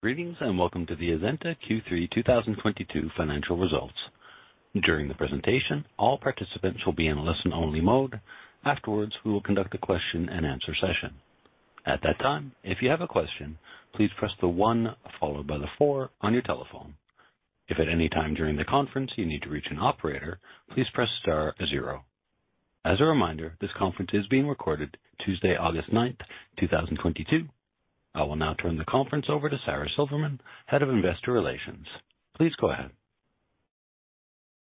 Greetings, and welcome to the Azenta Q3 2022 financial results. During the presentation, all participants will be in a listen-only mode. Afterwards, we will conduct a question-and-answer session. At that time, if you have a question, please press the one followed by the four on your telephone. If at any time during the conference you need to reach an operator, please press star zero. As a reminder, this conference is being recorded Tuesday, August ninth, 2022. I will now turn the conference over to Sara Silverman, Head of Investor Relations. Please go ahead.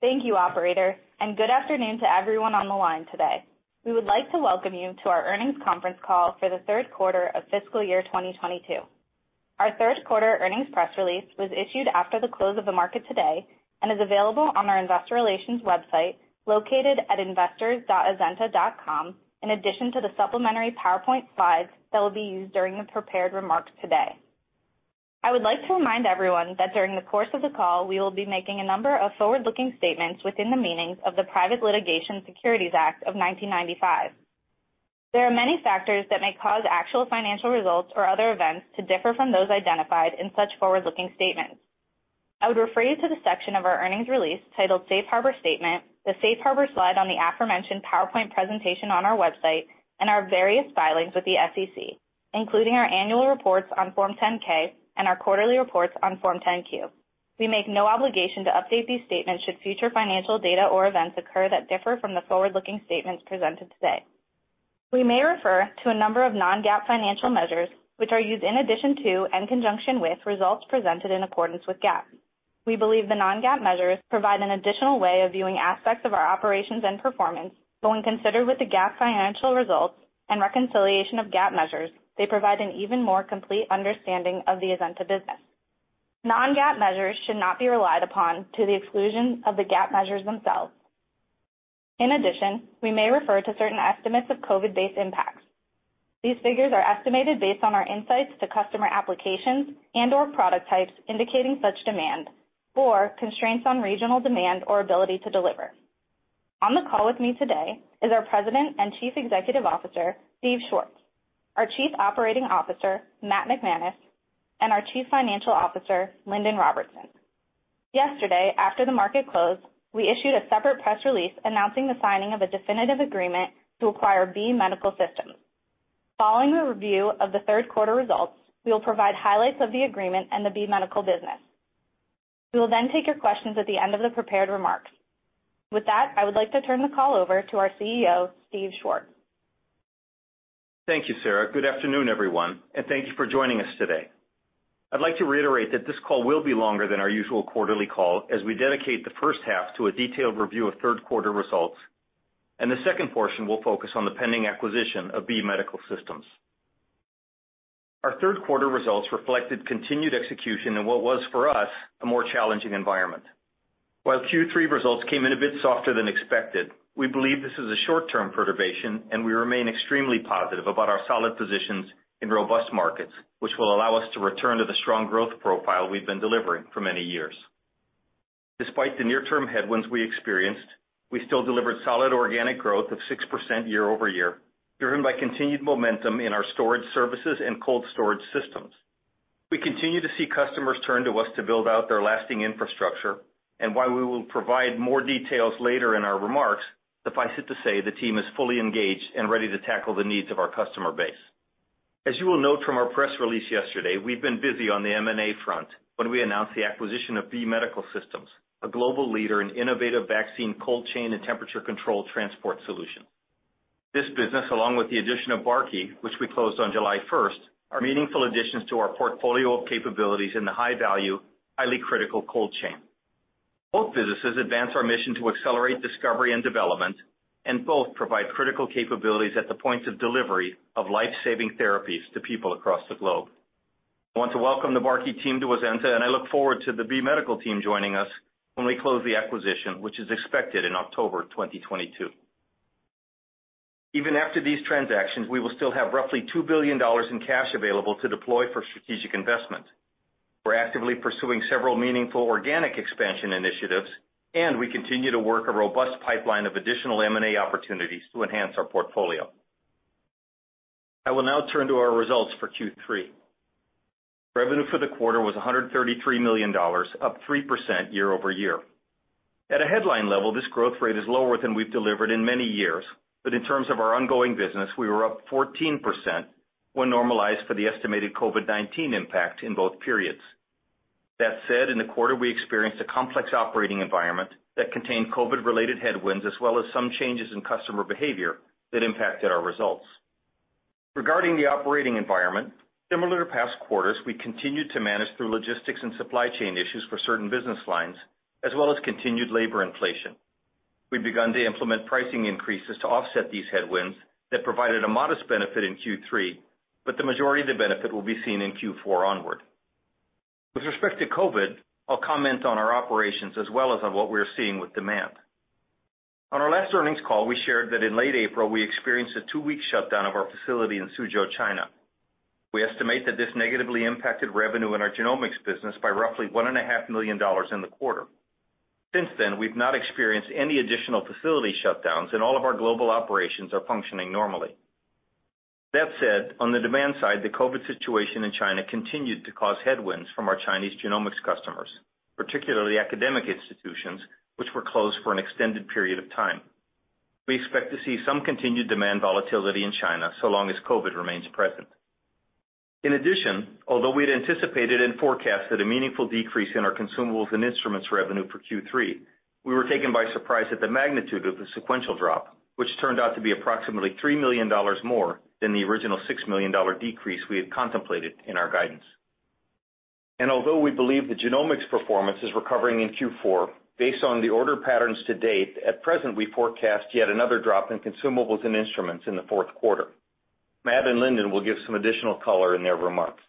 Thank you, Operator, and good afternoon to everyone on the line today. We would like to welcome you to our earnings conference call for the third quarter of fiscal year 2022. Our third quarter earnings press release was issued after the close of the market today and is available on our investor relations website, located at investors.azenta.com, in addition to the supplementary PowerPoint slides that will be used during the prepared remarks today. I would like to remind everyone that during the course of the call we will be making a number of forward-looking statements within the meanings of the Private Securities Litigation Reform Act of 1995. There are many factors that may cause actual financial results or other events to differ from those identified in such forward-looking statements. I would refer you to the section of our earnings release titled Safe Harbor Statement, the Safe Harbor slide on the aforementioned PowerPoint presentation on our website, and our various filings with the SEC, including our annual reports on Form 10-K and our quarterly reports on Form 10-Q. We make no obligation to update these statements should future financial data or events occur that differ from the forward-looking statements presented today. We may refer to a number of non-GAAP financial measures which are used in addition to, and conjunction with, results presented in accordance with GAAP. We believe the non-GAAP measures provide an additional way of viewing aspects of our operations and performance. When considered with the GAAP financial results and reconciliation of GAAP measures, they provide an even more complete understanding of the Azenta business. Non-GAAP measures should not be relied upon to the exclusion of the GAAP measures themselves. In addition, we may refer to certain estimates of COVID-based impacts. These figures are estimated based on our insights into customer applications and/or product types indicating such demand or constraints on regional demand or ability to deliver. On the call with me today is our President and Chief Executive Officer, Steve Schwartz, our Chief Operating Officer, Matthew McManus, and our Chief Financial Officer, Lindon Robertson. Yesterday, after the market closed, we issued a separate press release announcing the signing of a definitive agreement to acquire B Medical Systems. Following the review of the third quarter results, we will provide highlights of the agreement and the B Medical business. We will then take your questions at the end of the prepared remarks. With that, I would like to turn the call over to our CEO, Steve Schwartz. Thank you, Sara. Good afternoon, everyone, and thank you for joining us today. I'd like to reiterate that this call will be longer than our usual quarterly call as we dedicate the first half to a detailed review of third quarter results, and the second portion will focus on the pending acquisition of B Medical Systems. Our third quarter results reflected continued execution in what was for us a more challenging environment. While Q3 results came in a bit softer than expected, we believe this is a short-term perturbation, and we remain extremely positive about our solid positions in robust markets, which will allow us to return to the strong growth profile we've been delivering for many years. Despite the near-term headwinds we experienced, we still delivered solid organic growth of 6% year-over-year, driven by continued momentum in our storage services and cold storage systems. We continue to see customers turn to us to build out their last-mile infrastructure and while we will provide more details later in our remarks, suffice it to say, the team is fully engaged and ready to tackle the needs of our customer base. As you will note from our press release yesterday, we've been busy on the M&A front when we announced the acquisition of B Medical Systems, a global leader in innovative vaccine cold chain and temperature control transport solutions. This business, along with the addition of Barkey, which we closed on July first, are meaningful additions to our portfolio of capabilities in the high-value, highly critical cold chain. Both businesses advance our mission to accelerate discovery and development, and both provide critical capabilities at the points of delivery of life-saving therapies to people across the globe. I want to welcome the Barkey team to Azenta, and I look forward to the B Medical team joining us when we close the acquisition, which is expected in October 2022. Even after these transactions, we will still have roughly $2 billion in cash available to deploy for strategic investment. We're actively pursuing several meaningful organic expansion initiatives, and we continue to work a robust pipeline of additional M&A opportunities to enhance our portfolio. I will now turn to our results for Q3. Revenue for the quarter was $133 million, up 3% year-over-year. At a headline level, this growth rate is lower than we've delivered in many years, but in terms of our ongoing business, we were up 14% when normalized for the estimated COVID-19 impact in both periods. That said, in the quarter, we experienced a complex operating environment that contained COVID-related headwinds, as well as some changes in customer behavior that impacted our results. Regarding the operating environment, similar to past quarters, we continued to manage through logistics and supply chain issues for certain business lines, as well as continued labor inflation. We've begun to implement pricing increases to offset these headwinds that provided a modest benefit in Q3, but the majority of the benefit will be seen in Q4 onward. With respect to COVID, I'll comment on our operations as well as on what we're seeing with demand. On our last earnings call, we shared that in late April we experienced a two-week shutdown of our facility in Suzhou, China. We estimate that this negatively impacted revenue in our genomics business by roughly $1.5 million in the quarter. Since then, we've not experienced any additional facility shutdowns and all of our global operations are functioning normally. That said, on the demand side, the COVID situation in China continued to cause headwinds from our Chinese genomics customers, particularly academic institutions, which were closed for an extended period of time. We expect to see some continued demand volatility in China so long as COVID remains present. In addition, although we had anticipated and forecast that a meaningful decrease in our consumables and instruments revenue for Q3, we were taken by surprise at the magnitude of the sequential drop, which turned out to be approximately $3 million more than the original $6 million decrease we had contemplated in our guidance. Although we believe the genomics performance is recovering in Q4, based on the order patterns to date, at present, we forecast yet another drop in consumables and instruments in the fourth quarter. Matthew and Lindon will give some additional color in their remarks.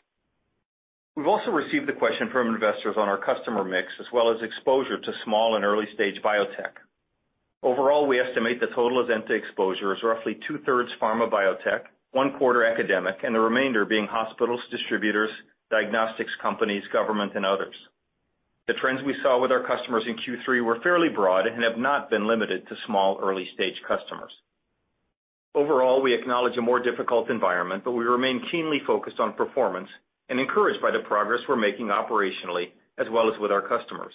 We've also received the question from investors on our customer mix, as well as exposure to small and early-stage biotech. Overall, we estimate the total Azenta exposure is roughly 2/3 pharma biotech, one quarter academic, and the remainder being hospitals, distributors, diagnostics companies, government, and others. The trends we saw with our customers in Q3 were fairly broad and have not been limited to small early-stage customers. Overall, we acknowledge a more difficult environment, but we remain keenly focused on performance and encouraged by the progress we're making operationally as well as with our customers.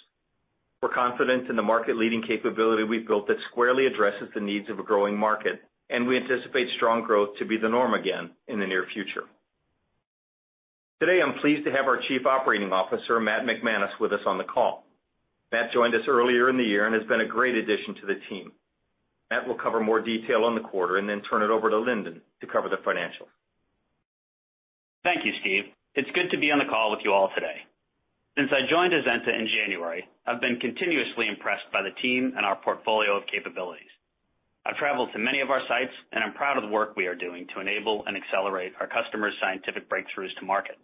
We're confident in the market-leading capability we've built that squarely addresses the needs of a growing market, and we anticipate strong growth to be the norm again in the near future. Today, I'm pleased to have our Chief Operating Officer, Matthew McManus, with us on the call. Matthew joined us earlier in the year and has been a great addition to the team. Matthew will cover more detail on the quarter and then turn it over to Lindon to cover the financials. Thank you, Steve. It's good to be on the call with you all today. Since I joined Azenta in January, I've been continuously impressed by the team and our portfolio of capabilities. I've traveled to many of our sites, and I'm proud of the work we are doing to enable and accelerate our customers' scientific breakthroughs to market.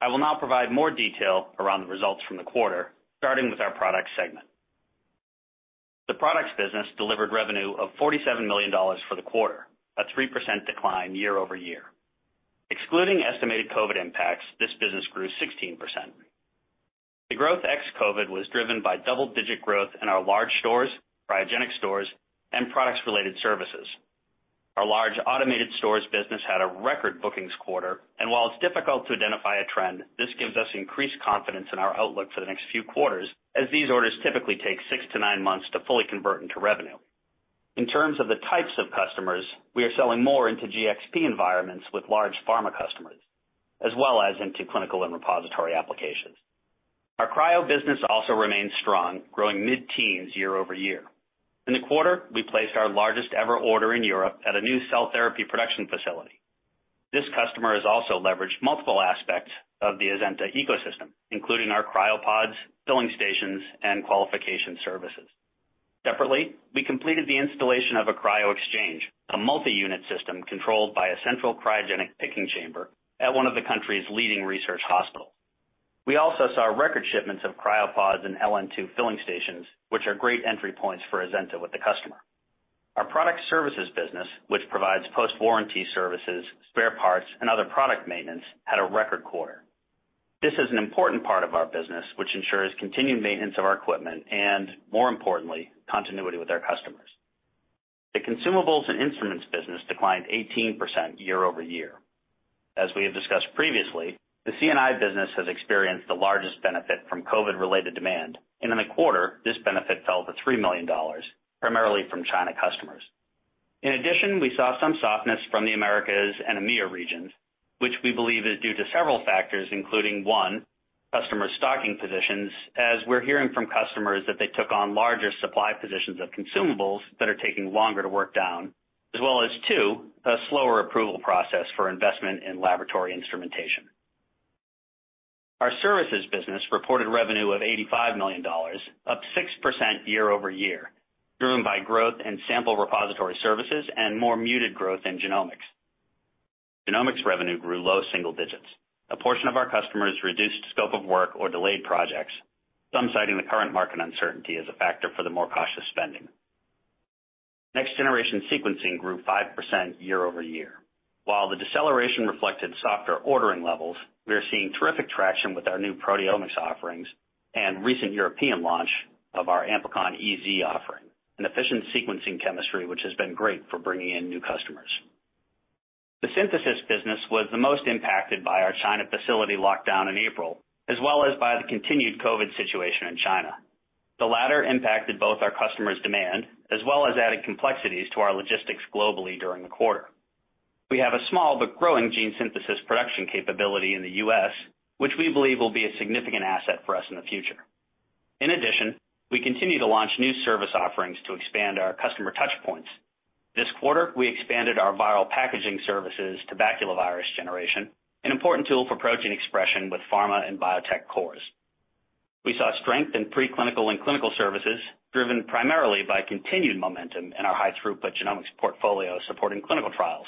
I will now provide more detail around the results from the quarter, starting with our products segment. The products business delivered revenue of $47 million for the quarter, a 3% decline year-over-year. Excluding estimated COVID impacts, this business grew 16%. The growth ex-COVID was driven by double-digit growth in our large stores, cryogenic stores, and products-related services. Our large automated stores business had a record bookings quarter, and while it's difficult to identify a trend, this gives us increased confidence in our outlook for the next few quarters, as these orders typically take 6-9 months to fully convert into revenue. In terms of the types of customers, we are selling more into GXP environments with large pharma customers, as well as into clinical and repository applications. Our cryo business also remains strong, growing mid-teens year-over-year. In the quarter, we placed our largest ever order in Europe at a new cell therapy production facility. This customer has also leveraged multiple aspects of the Azenta ecosystem, including our CryoPods, filling stations, and qualification services. Separately, we completed the installation of a Cryo Exchange, a multi-unit system controlled by a central cryogenic picking chamber at one of the country's leading research hospitals. We also saw record shipments of CryoPods and LN2 filling stations, which are great entry points for Azenta with the customer. Our product services business, which provides post-warranty services, spare parts, and other product maintenance, had a record quarter. This is an important part of our business, which ensures continued maintenance of our equipment and, more importantly, continuity with our customers. The consumables and instruments business declined 18% year-over-year. As we have discussed previously, the C&I business has experienced the largest benefit from COVID-related demand, and in the quarter, this benefit fell to $3 million, primarily from China customers. In addition, we saw some softness from the Americas and EMEA regions, which we believe is due to several factors, including, one, customer stocking positions, as we're hearing from customers that they took on larger supply positions of consumables that are taking longer to work down, as well as, two, a slower approval process for investment in laboratory instrumentation. Our services business reported revenue of $85 million, up 6% year-over-year, driven by growth in sample repository services and more muted growth in genomics. Genomics revenue grew low single digits. A portion of our customers reduced scope of work or delayed projects, some citing the current market uncertainty as a factor for the more cautious spending. Next generation sequencing grew 5% year-over-year. While the deceleration reflected softer ordering levels, we are seeing terrific traction with our new proteomics offerings and recent European launch of our Amplicon-EZ offering, an efficient sequencing chemistry, which has been great for bringing in new customers. The synthesis business was the most impacted by our China facility lockdown in April, as well as by the continued COVID situation in China. The latter impacted both our customers' demand, as well as added complexities to our logistics globally during the quarter. We have a small but growing gene synthesis production capability in the U.S., which we believe will be a significant asset for us in the future. In addition, we continue to launch new service offerings to expand our customer touchpoints. This quarter, we expanded our viral packaging services to baculovirus generation, an important tool for protein expression with pharma and biotech cores. We saw strength in pre-clinical and clinical services, driven primarily by continued momentum in our high-throughput genomics portfolio supporting clinical trials.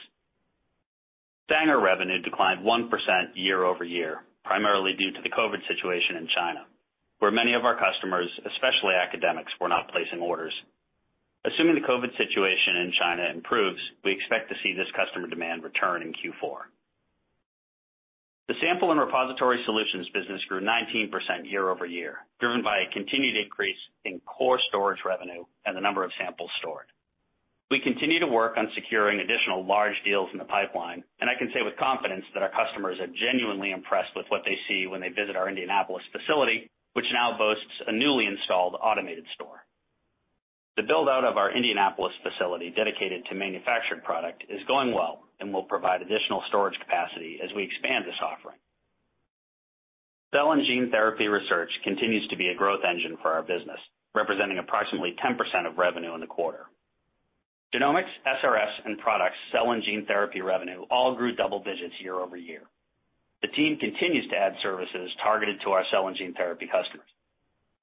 Sanger revenue declined 1% year-over-year, primarily due to the COVID situation in China, where many of our customers, especially academics, were not placing orders. Assuming the COVID situation in China improves, we expect to see this customer demand return in Q4. The sample and repository solutions business grew 19% year-over-year, driven by a continued increase in core storage revenue and the number of samples stored. We continue to work on securing additional large deals in the pipeline, and I can say with confidence that our customers are genuinely impressed with what they see when they visit our Indianapolis facility, which now boasts a newly installed automated store. The build-out of our Indianapolis facility dedicated to manufactured product is going well and will provide additional storage capacity as we expand this offering. Cell and gene therapy research continues to be a growth engine for our business, representing approximately 10% of revenue in the quarter. Genomics, SRS, and products, cell and gene therapy revenue all grew double digits year-over-year. The team continues to add services targeted to our cell and gene therapy customers.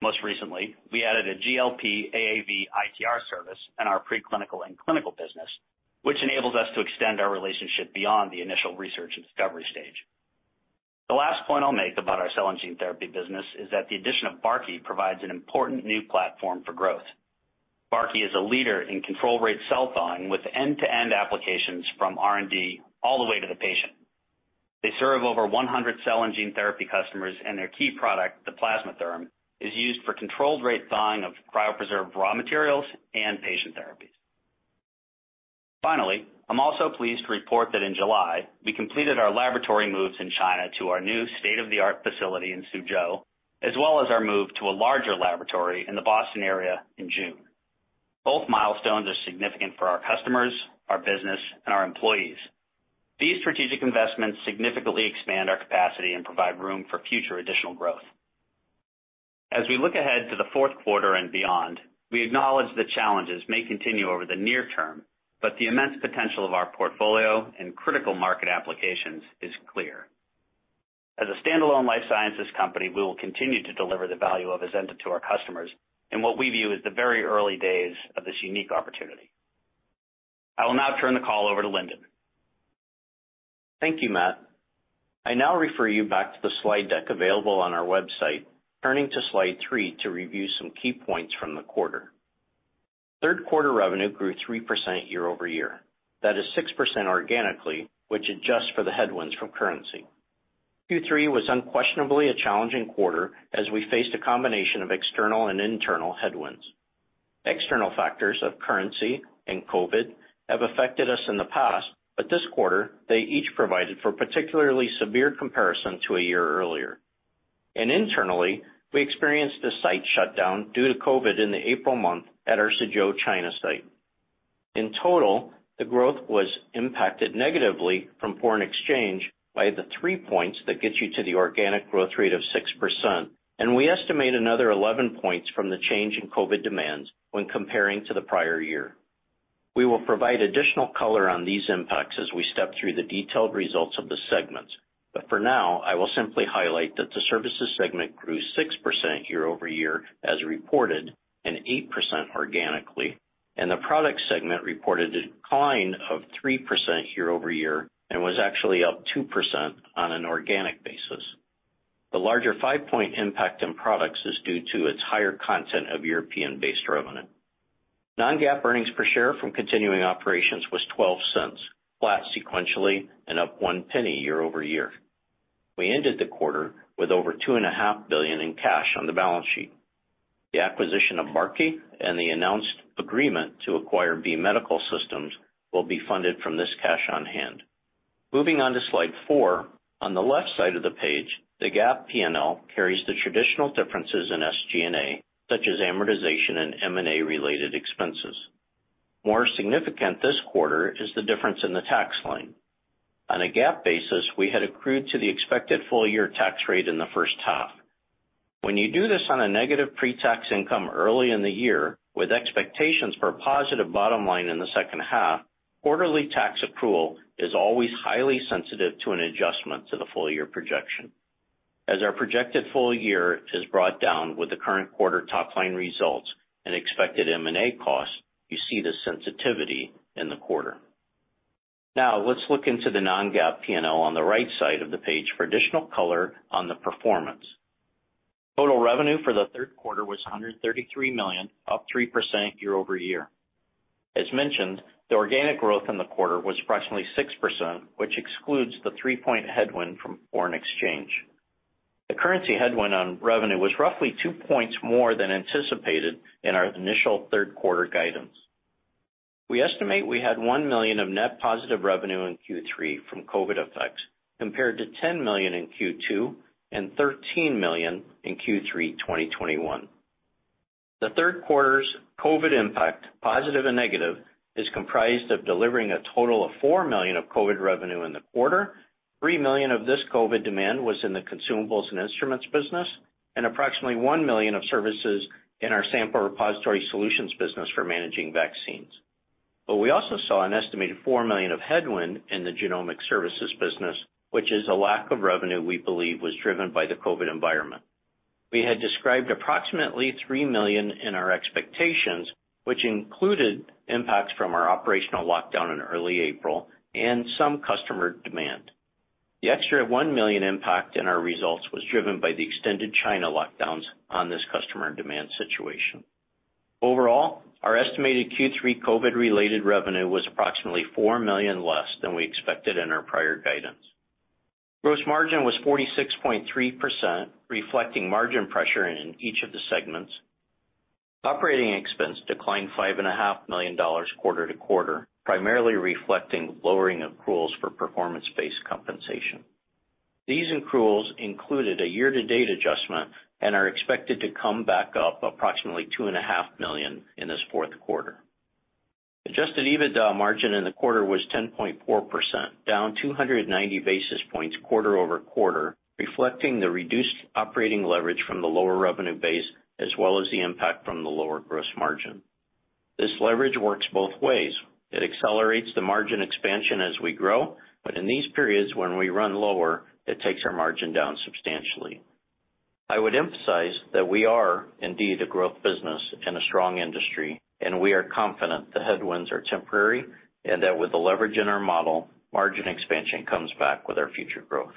Most recently, we added a GLP AAV-ITR service in our pre-clinical and clinical business, which enables us to extend our relationship beyond the initial research and discovery stage. The last point I'll make about our cell and gene therapy business is that the addition of Barkey provides an important new platform for growth. Barkey is a leader in control rate cell thawing with end-to-end applications from R&D all the way to the patient. They serve over 100 cell and gene therapy customers, and their key product, the PlasmaTherm, is used for controlled rate thawing of cryopreserved raw materials and patient therapies. Finally, I'm also pleased to report that in July, we completed our laboratory moves in China to our new state-of-the-art facility in Suzhou, as well as our move to a larger laboratory in the Boston area in June. Both milestones are significant for our customers, our business, and our employees. These strategic investments significantly expand our capacity and provide room for future additional growth. As we look ahead to the fourth quarter and beyond, we acknowledge the challenges may continue over the near term, but the immense potential of our portfolio and critical market applications is clear. As a standalone life sciences company, we will continue to deliver the value of Azenta to our customers in what we view as the very early days of this unique opportunity. I will now turn the call over to Lindon. Thank you, Matthew. I now refer you back to the slide deck available on our website, turning to slide three to review some key points from the quarter. Third quarter revenue grew 3% year-over-year. That is 6% organically, which adjusts for the headwinds from currency. Q3 was unquestionably a challenging quarter as we faced a combination of external and internal headwinds. External factors of currency and COVID have affected us in the past, but this quarter, they each provided for particularly severe comparison to a year earlier. Internally, we experienced a site shutdown due to COVID in the April month at our Suzhou, China site. In total, the growth was impacted negatively from foreign exchange by the 3 points that gets you to the organic growth rate of 6%. We estimate another 11 points from the change in COVID demands when comparing to the prior year. We will provide additional color on these impacts as we step through the detailed results of the segments. For now, I will simply highlight that the services segment grew 6% year-over-year as reported and 8% organically, and the product segment reported a decline of 3% year-over-year and was actually up 2% on an organic basis. The larger 5-point impact in products is due to its higher content of European-based revenue. Non-GAAP earnings per share from continuing operations was $0.12, flat sequentially and up $0.01 year-over-year. We ended the quarter with over $2.5 billion in cash on the balance sheet. The acquisition of Barkey and the announced agreement to acquire B Medical Systems will be funded from this cash on hand. Moving on to slide four. On the left side of the page, the GAAP P&L carries the traditional differences in SG&A, such as amortization and M&A-related expenses. More significant this quarter is the difference in the tax line. On a GAAP basis, we had accrued to the expected full-year tax rate in the first half. When you do this on a negative pre-tax income early in the year with expectations for a positive bottom line in the second half, quarterly tax accrual is always highly sensitive to an adjustment to the full-year projection. As our projected full year is brought down with the current quarter top-line results and expected M&A costs, you see the sensitivity in the quarter. Now let's look into the non-GAAP P&L on the right side of the page for additional color on the performance. Total revenue for the third quarter was $133 million, up 3% year-over-year. As mentioned, the organic growth in the quarter was approximately 6%, which excludes the 3-point headwind from foreign exchange. The currency headwind on revenue was roughly 2 points more than anticipated in our initial third quarter guidance. We estimate we had $1 million of net positive revenue in Q3 from COVID effects compared to $10 million in Q2 and $13 million in Q3 2021. The third quarter's COVID impact, positive and negative, is comprised of delivering a total of $4 million of COVID revenue in the quarter. $3 million of this COVID demand was in the consumables and instruments business, and approximately $1 million of services in our sample repository solutions business for managing vaccines. We also saw an estimated $4 million of headwind in the genomic services business, which is a lack of revenue we believe was driven by the COVID environment. We had described approximately $3 million in our expectations, which included impacts from our operational lockdown in early April and some customer demand. The extra $1 million impact in our results was driven by the extended China lockdowns on this customer demand situation. Overall, our estimated Q3 COVID-related revenue was approximately $4 million less than we expected in our prior guidance. Gross margin was 46.3%, reflecting margin pressure in each of the segments. Operating expense declined $5.5 million quarter-over-quarter, primarily reflecting lowering accruals for performance-based compensation. These accruals included a year-to-date adjustment and are expected to come back up approximately $2.5 million in this fourth quarter. Adjusted EBITDA margin in the quarter was 10.4%, down 290 basis points quarter-over-quarter, reflecting the reduced operating leverage from the lower revenue base as well as the impact from the lower gross margin. This leverage works both ways. It accelerates the margin expansion as we grow, but in these periods when we run lower, it takes our margin down substantially. I would emphasize that we are indeed a growth business in a strong industry, and we are confident the headwinds are temporary and that with the leverage in our model, margin expansion comes back with our future growth.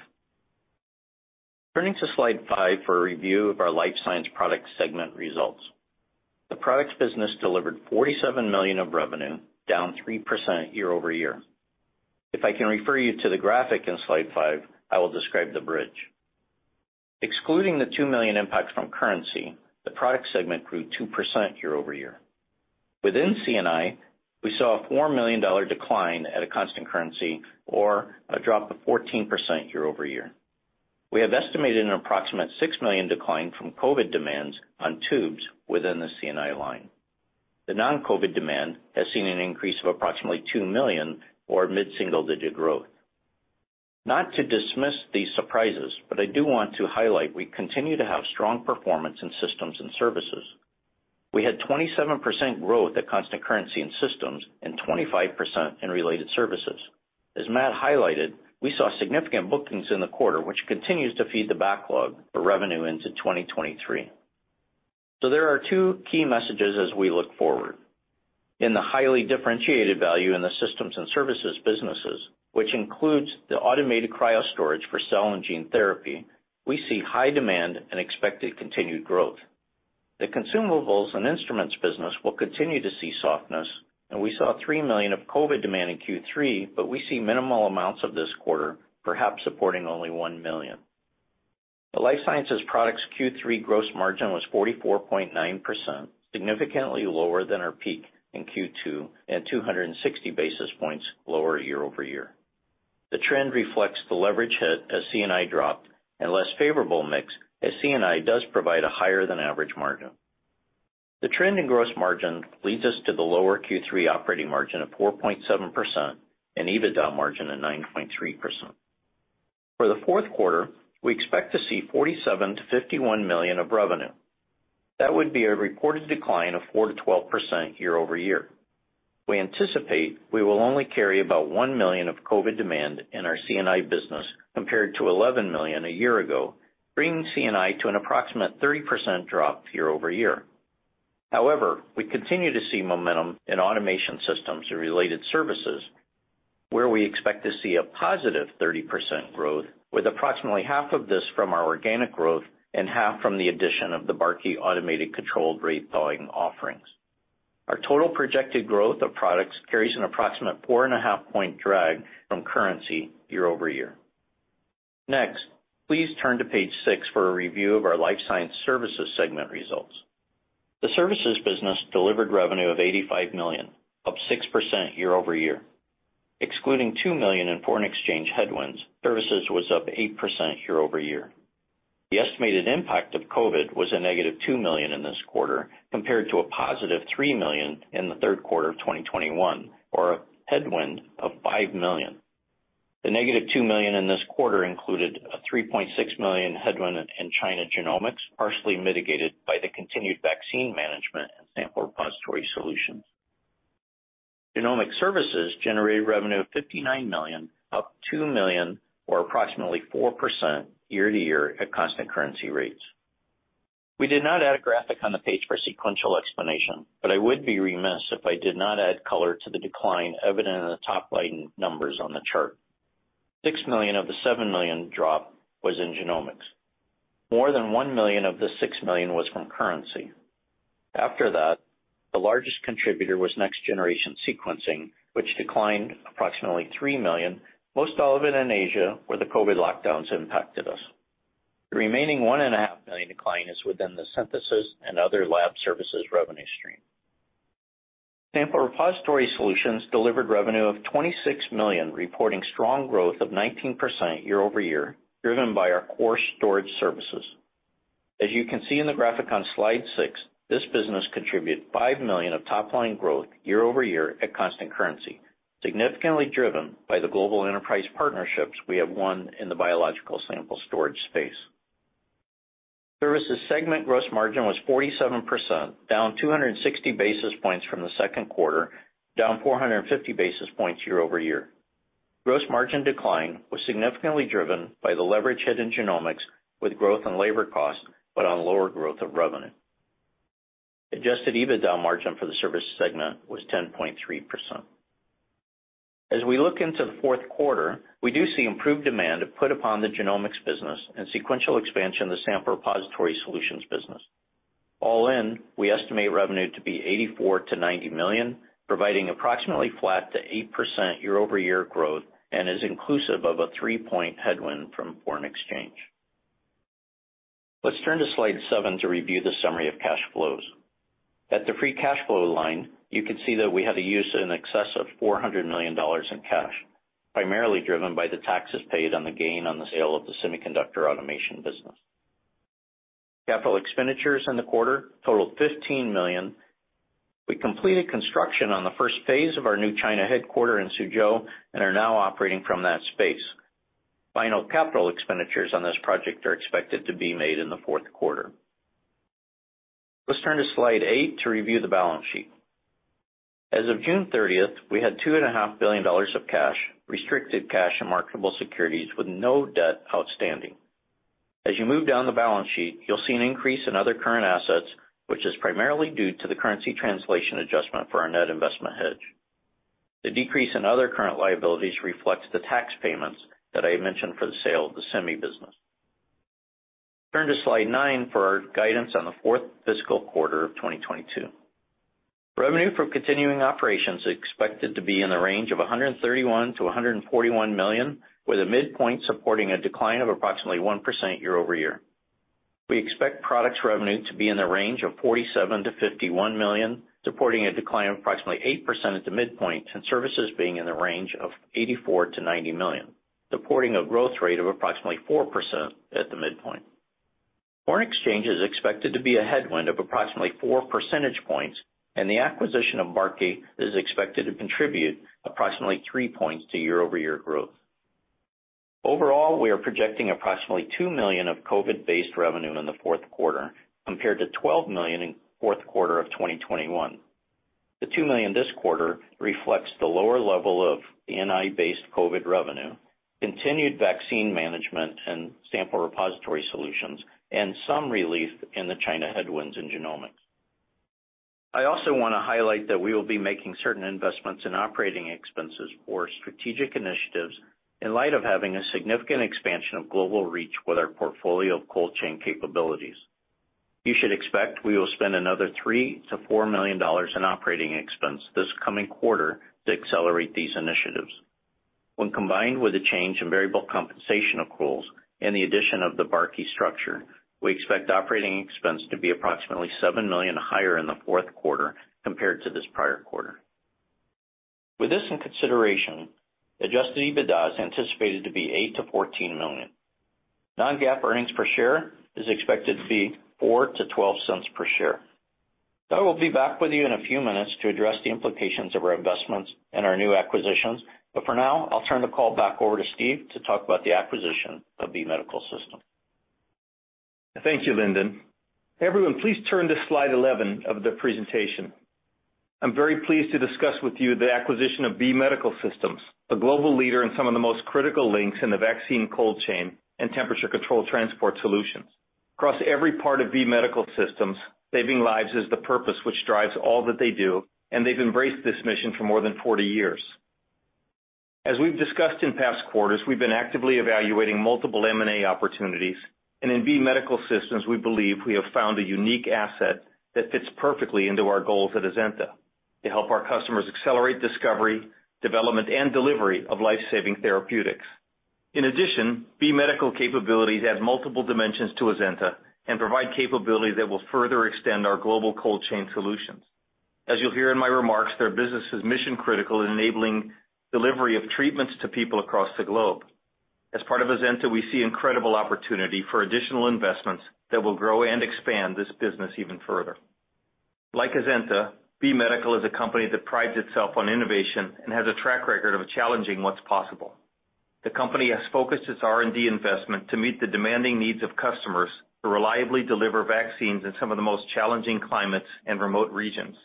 Turning to slide five for a review of our life science products segment results. The products business delivered $47 million in revenue, down 3% year-over-year. If I can refer you to the graphic in slide five, I will describe the bridge. Excluding the $2 million impacts from currency, the product segment grew 2% year-over-year. Within C&I, we saw a $4 million decline at a constant currency or a drop of 14% year-over-year. We have estimated an approximate $6 million decline from COVID demands on tubes within the C&I line. The non-COVID demand has seen an increase of approximately $2 million or mid-single digit growth. Not to dismiss these surprises, but I do want to highlight we continue to have strong performance in systems and services. We had 27% growth at constant currency in systems and 25% in related services. As Matthew highlighted, we saw significant bookings in the quarter, which continues to feed the backlog for revenue into 2023. There are two key messages as we look forward. In the highly differentiated value in the systems and services businesses, which includes the automated cryostorage for cell and gene therapy, we see high demand and expected continued growth. The consumables and instruments business will continue to see softness, and we saw $3 million of COVID demand in Q3, but we see minimal amounts of this quarter, perhaps supporting only $1 million. The life sciences products Q3 gross margin was 44.9%, significantly lower than our peak in Q2 and 260 basis points lower year-over-year. The trend reflects the leverage hit as C&I dropped and less favorable mix as C&I does provide a higher than average margin. The trend in gross margin leads us to the lower Q3 operating margin of 4.7% and EBITDA margin of 9.3%. For the fourth quarter, we expect to see $47 million-$51 million of revenue. That would be a reported decline of 4%-12% year-over-year. We anticipate we will only carry about $1 million of COVID demand in our C&I business compared to $11 million a year ago, bringing C&I to an approximate 30% drop year-over-year. However, we continue to see momentum in automation systems and related services, where we expect to see a positive 30% growth with approximately half of this from our organic growth and half from the addition of the Barkey automated controlled rate thawing offerings. Our total projected growth of products carries an approximate 4.5-point drag from currency year-over-year. Next, please turn to page six for a review of our life science services segment results. The services business delivered revenue of $85 million, up 6% year-over-year. Excluding $2 million in foreign exchange headwinds, services was up 8% year-over-year. The estimated impact of COVID was a negative $2 million in this quarter compared to a positive $3 million in the third quarter of 2021, or a headwind of $5 million. The $-2 million in this quarter included a $3.6 million headwind in China Genomics, partially mitigated by the continued vaccine management and sample repository solutions. Genomic services generated revenue of $59 million, up $2 million or approximately 4% year-over-year at constant currency rates. We did not add a graphic on the page for a sequential explanation, but I would be remiss if I did not add color to the decline evident in the top line numbers on the chart. $6 million of the $7 million drop was in genomics. More than $1 million of the $6 million was from currency. After that, the largest contributor was next generation sequencing, which declined approximately $3 million, most all of it in Asia, where the COVID lockdowns impacted us. The remaining $1.5 million decline is within the synthesis and other lab services revenue stream. Sample repository solutions delivered revenue of $26 million, reporting strong growth of 19% year-over-year, driven by our core storage services. As you can see in the graphic on slide 6, this business contributed $5 million of top line growth year-over-year at constant currency, significantly driven by the global enterprise partnerships we have won in the biological sample storage space. Services segment gross margin was 47%, down 260 basis points from the second quarter, down 450 basis points year-over-year. Gross margin decline was significantly driven by the leverage hit in genomics with growth in labor cost, but on lower growth of revenue. Adjusted EBITDA margin for the service segment was 10.3%. As we look into the fourth quarter, we do see improved demand put upon the genomics business and sequential expansion of the sample repository solutions business. All in, we estimate revenue to be $84 million-$90 million, providing approximately flat to 8% year-over-year growth and is inclusive of a 3-point headwind from foreign exchange. Let's turn to slide seven to review the summary of cash flows. At the free cash flow line, you can see that we had a use in excess of $400 million in cash, primarily driven by the taxes paid on the gain on the sale of the semiconductor automation business. Capital expenditures in the quarter totaled $15 million. We completed construction on the first phase of our new China headquarters in Suzhou and are now operating from that space. Final capital expenditures on this project are expected to be made in the fourth quarter. Let's turn to slide eight to review the balance sheet. As of June 30th, we had $2.5 billion of cash, restricted cash, and marketable securities with no debt outstanding. As you move down the balance sheet, you'll see an increase in other current assets, which is primarily due to the currency translation adjustment for our net investment hedge. The decrease in other current liabilities reflects the tax payments that I mentioned for the sale of the semi business. Turn to slide nine for our guidance on the fourth fiscal quarter of 2022. Revenue from continuing operations is expected to be in the range of $131 million-$141 million, with a midpoint supporting a decline of approximately 1% year-over-year. We expect products revenue to be in the range of $47 million-$51 million, supporting a decline of approximately 8% at the midpoint and services being in the range of $84 million-$90 million, supporting a growth rate of approximately 4% at the midpoint. Foreign exchange is expected to be a headwind of approximately four percentage points, and the acquisition of Barkey is expected to contribute approximately three points to year-over-year growth. Overall, we are projecting approximately $2 million of COVID-based revenue in the fourth quarter compared to $12 million in fourth quarter of 2021. The $2 million this quarter reflects the lower level of C&I-based COVID revenue, continued vaccine management and sample repository solutions, and some relief in the China headwinds in genomics. I also wanna highlight that we will be making certain investments in operating expenses for strategic initiatives in light of having a significant expansion of global reach with our portfolio of cold chain capabilities. You should expect we will spend another $3 million-$4 million in operating expense this coming quarter to accelerate these initiatives. When combined with a change in variable compensation of roles and the addition of the Barkey structure, we expect operating expense to be approximately $7 million higher in the fourth quarter compared to this prior quarter. With this in consideration, adjusted EBITDA is anticipated to be $8 million-$14 million. Non-GAAP earnings per share is expected to be $0.04-$0.12 per share. I will be back with you in a few minutes to address the implications of our investments and our new acquisitions, but for now, I'll turn the call back over to Steve to talk about the acquisition of B Medical Systems. Thank you, Lindon. Everyone, please turn to slide 11 of the presentation. I'm very pleased to discuss with you the acquisition of B Medical Systems, a global leader in some of the most critical links in the vaccine cold chain and temperature-controlled transport solutions. Across every part of B Medical Systems, saving lives is the purpose which drives all that they do, and they've embraced this mission for more than 40 years. As we've discussed in past quarters, we've been actively evaluating multiple M&A opportunities, and in B Medical Systems, we believe we have found a unique asset that fits perfectly into our goals at Azenta to help our customers accelerate discovery, development, and delivery of life-saving therapeutics. In addition, B Medical capabilities add multiple dimensions to Azenta and provide capabilities that will further extend our global cold chain solutions. As you'll hear in my remarks, their business is mission-critical in enabling delivery of treatments to people across the globe. As part of Azenta, we see incredible opportunity for additional investments that will grow and expand this business even further. Like Azenta, B Medical Systems is a company that prides itself on innovation and has a track record of challenging what's possible. The company has focused its R&D investment to meet the demanding needs of customers to reliably deliver vaccines in some of the most challenging climates and remote regions.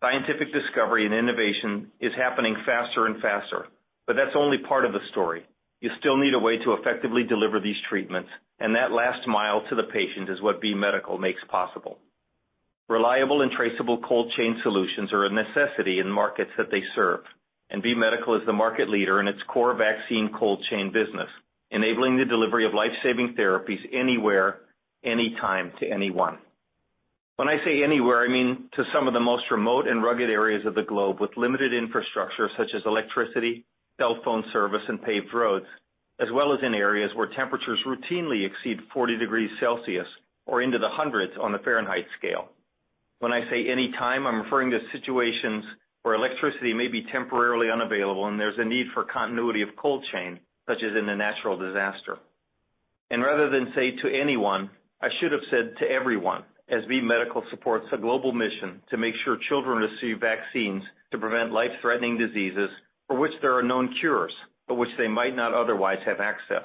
Scientific discovery and innovation is happening faster and faster, but that's only part of the story. You still need a way to effectively deliver these treatments, and that last mile to the patient is what B Medical Systems makes possible. Reliable and traceable cold chain solutions are a necessity in markets that they serve, and B Medical Systems is the market leader in its core vaccine cold chain business, enabling the delivery of life-saving therapies anywhere, anytime to anyone. When I say anywhere, I mean to some of the most remote and rugged areas of the globe with limited infrastructure such as electricity, cell phone service, and paved roads, as well as in areas where temperatures routinely exceed 40 degrees Celsius or into the hundreds on the Fahrenheit scale. When I say anytime, I'm referring to situations where electricity may be temporarily unavailable and there's a need for continuity of cold chain, such as in a natural disaster. Rather than say to anyone, I should have said to everyone, as B Medical Systems supports a global mission to make sure children receive vaccines to prevent life-threatening diseases for which there are known cures but which they might not otherwise have access.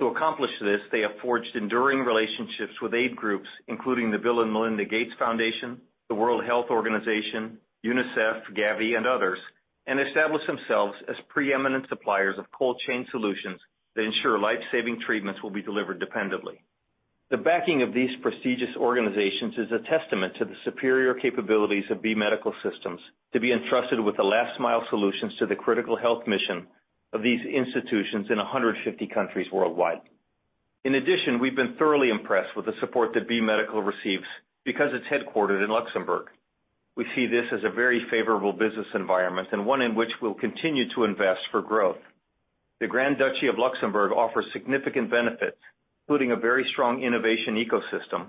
To accomplish this, they have forged enduring relationships with aid groups, including the Bill & Melinda Gates Foundation, the World Health Organization, UNICEF, Gavi, and others, and established themselves as preeminent suppliers of cold chain solutions that ensure life-saving treatments will be delivered dependably. The backing of these prestigious organizations is a testament to the superior capabilities of B Medical Systems to be entrusted with the last mile solutions to the critical health mission of these institutions in 150 countries worldwide. In addition, we've been thoroughly impressed with the support that B Medical Systems receives because it's headquartered in Luxembourg. We see this as a very favorable business environment and one in which we'll continue to invest for growth. The Grand Duchy of Luxembourg offers significant benefits, including a very strong innovation ecosystem,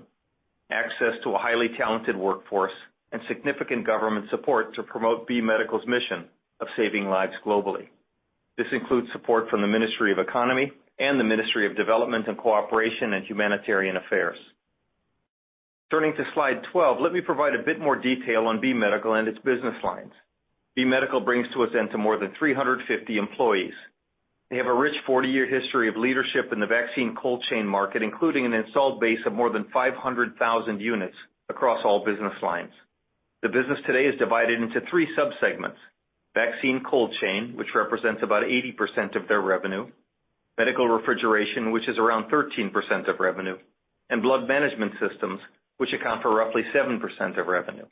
access to a highly talented workforce, and significant government support to promote B Medical's mission of saving lives globally. This includes support from the Ministry of Economy and the Ministry of Development and Cooperation and Humanitarian Affairs. Turning to slide 12, let me provide a bit more detail on B Medical and its business lines. B Medical brings to Azenta more than 350 employees. They have a rich 40-year history of leadership in the vaccine cold chain market, including an installed base of more than 500,000 units across all business lines. The business today is divided into three sub-segments. Vaccine cold chain, which represents about 80% of their revenue, medical refrigeration, which is around 13% of revenue, and blood management systems, which account for roughly 7% of revenue.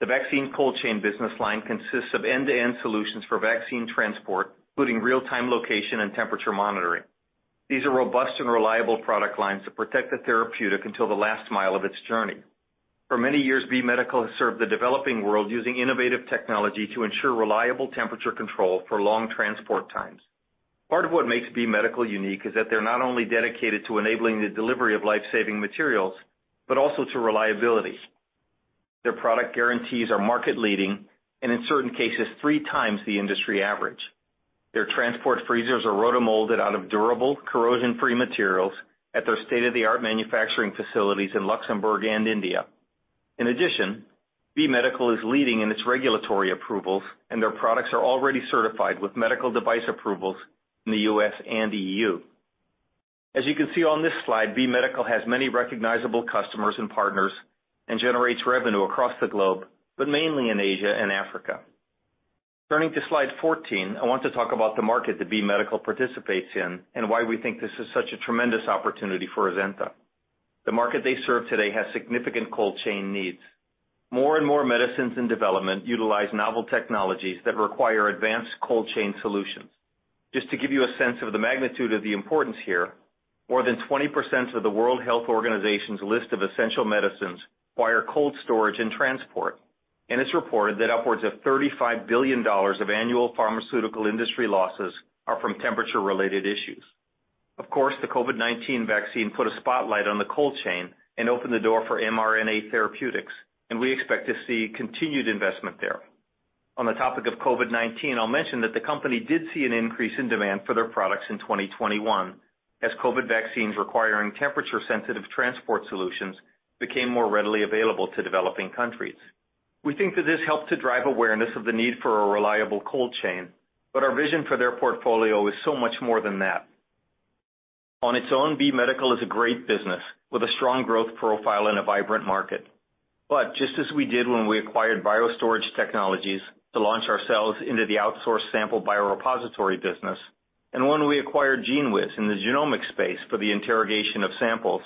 The vaccine cold chain business line consists of end-to-end solutions for vaccine transport, including real-time location and temperature monitoring. These are robust and reliable product lines that protect the therapeutic until the last mile of its journey. For many years, B Medical Systems has served the developing world using innovative technology to ensure reliable temperature control for long transport times. Part of what makes B Medical Systems unique is that they're not only dedicated to enabling the delivery of life-saving materials, but also to reliability. Their product guarantees are market leading and in certain cases, three times the industry average. Their transport freezers are rotomolded out of durable corrosion-free materials at their state-of-the-art manufacturing facilities in Luxembourg and India. In addition, B Medical is leading in its regulatory approvals, and their products are already certified with medical device approvals in the U.S. and EU. As you can see on this slide, B Medical has many recognizable customers and partners and generates revenue across the globe, but mainly in Asia and Africa. Turning to slide 14, I want to talk about the market that B Medical participates in, and why we think this is such a tremendous opportunity for Azenta. The market they serve today has significant cold chain needs. More and more medicines in development utilize novel technologies that require advanced cold chain solutions. Just to give you a sense of the magnitude of the importance here, more than 20% of the World Health Organization's list of essential medicines require cold storage and transport, and it's reported that upwards of $35 billion of annual pharmaceutical industry losses are from temperature-related issues. Of course, the COVID-19 vaccine put a spotlight on the cold chain and opened the door for mRNA therapeutics, and we expect to see continued investment there. On the topic of COVID-19, I'll mention that the company did see an increase in demand for their products in 2021 as COVID vaccines requiring temperature-sensitive transport solutions became more readily available to developing countries. We think that this helped to drive awareness of the need for a reliable cold chain, but our vision for their portfolio is so much more than that. On its own, B Medical is a great business with a strong growth profile in a vibrant market. Just as we did when we acquired BioStorage Technologies to launch ourselves into the outsourced sample biorepository business and when we acquired GENEWIZ in the genomic space for the interrogation of samples,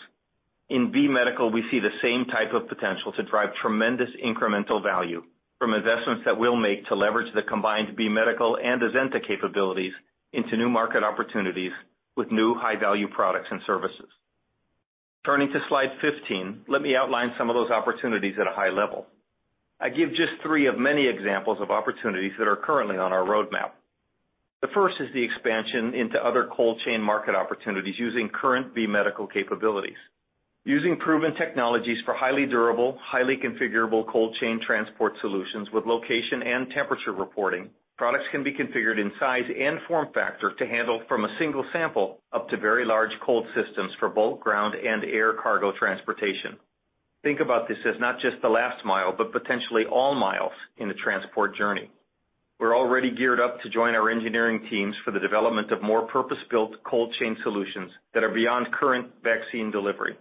in B Medical, we see the same type of potential to drive tremendous incremental value from investments that we'll make to leverage the combined B Medical and Azenta capabilities into new market opportunities with new high-value products and services. Turning to slide 15, let me outline some of those opportunities at a high level. I give just three of many examples of opportunities that are currently on our roadmap. The first is the expansion into other cold chain market opportunities using current B Medical capabilities. Using proven technologies for highly durable, highly configurable cold chain transport solutions with location and temperature reporting, products can be configured in size and form factor to handle from a single sample up to very large cold systems for both ground and air cargo transportation. Think about this as not just the last mile, but potentially all miles in the transport journey. We're already geared up to join our engineering teams for the development of more purpose-built cold chain solutions that are beyond current vaccine delivery.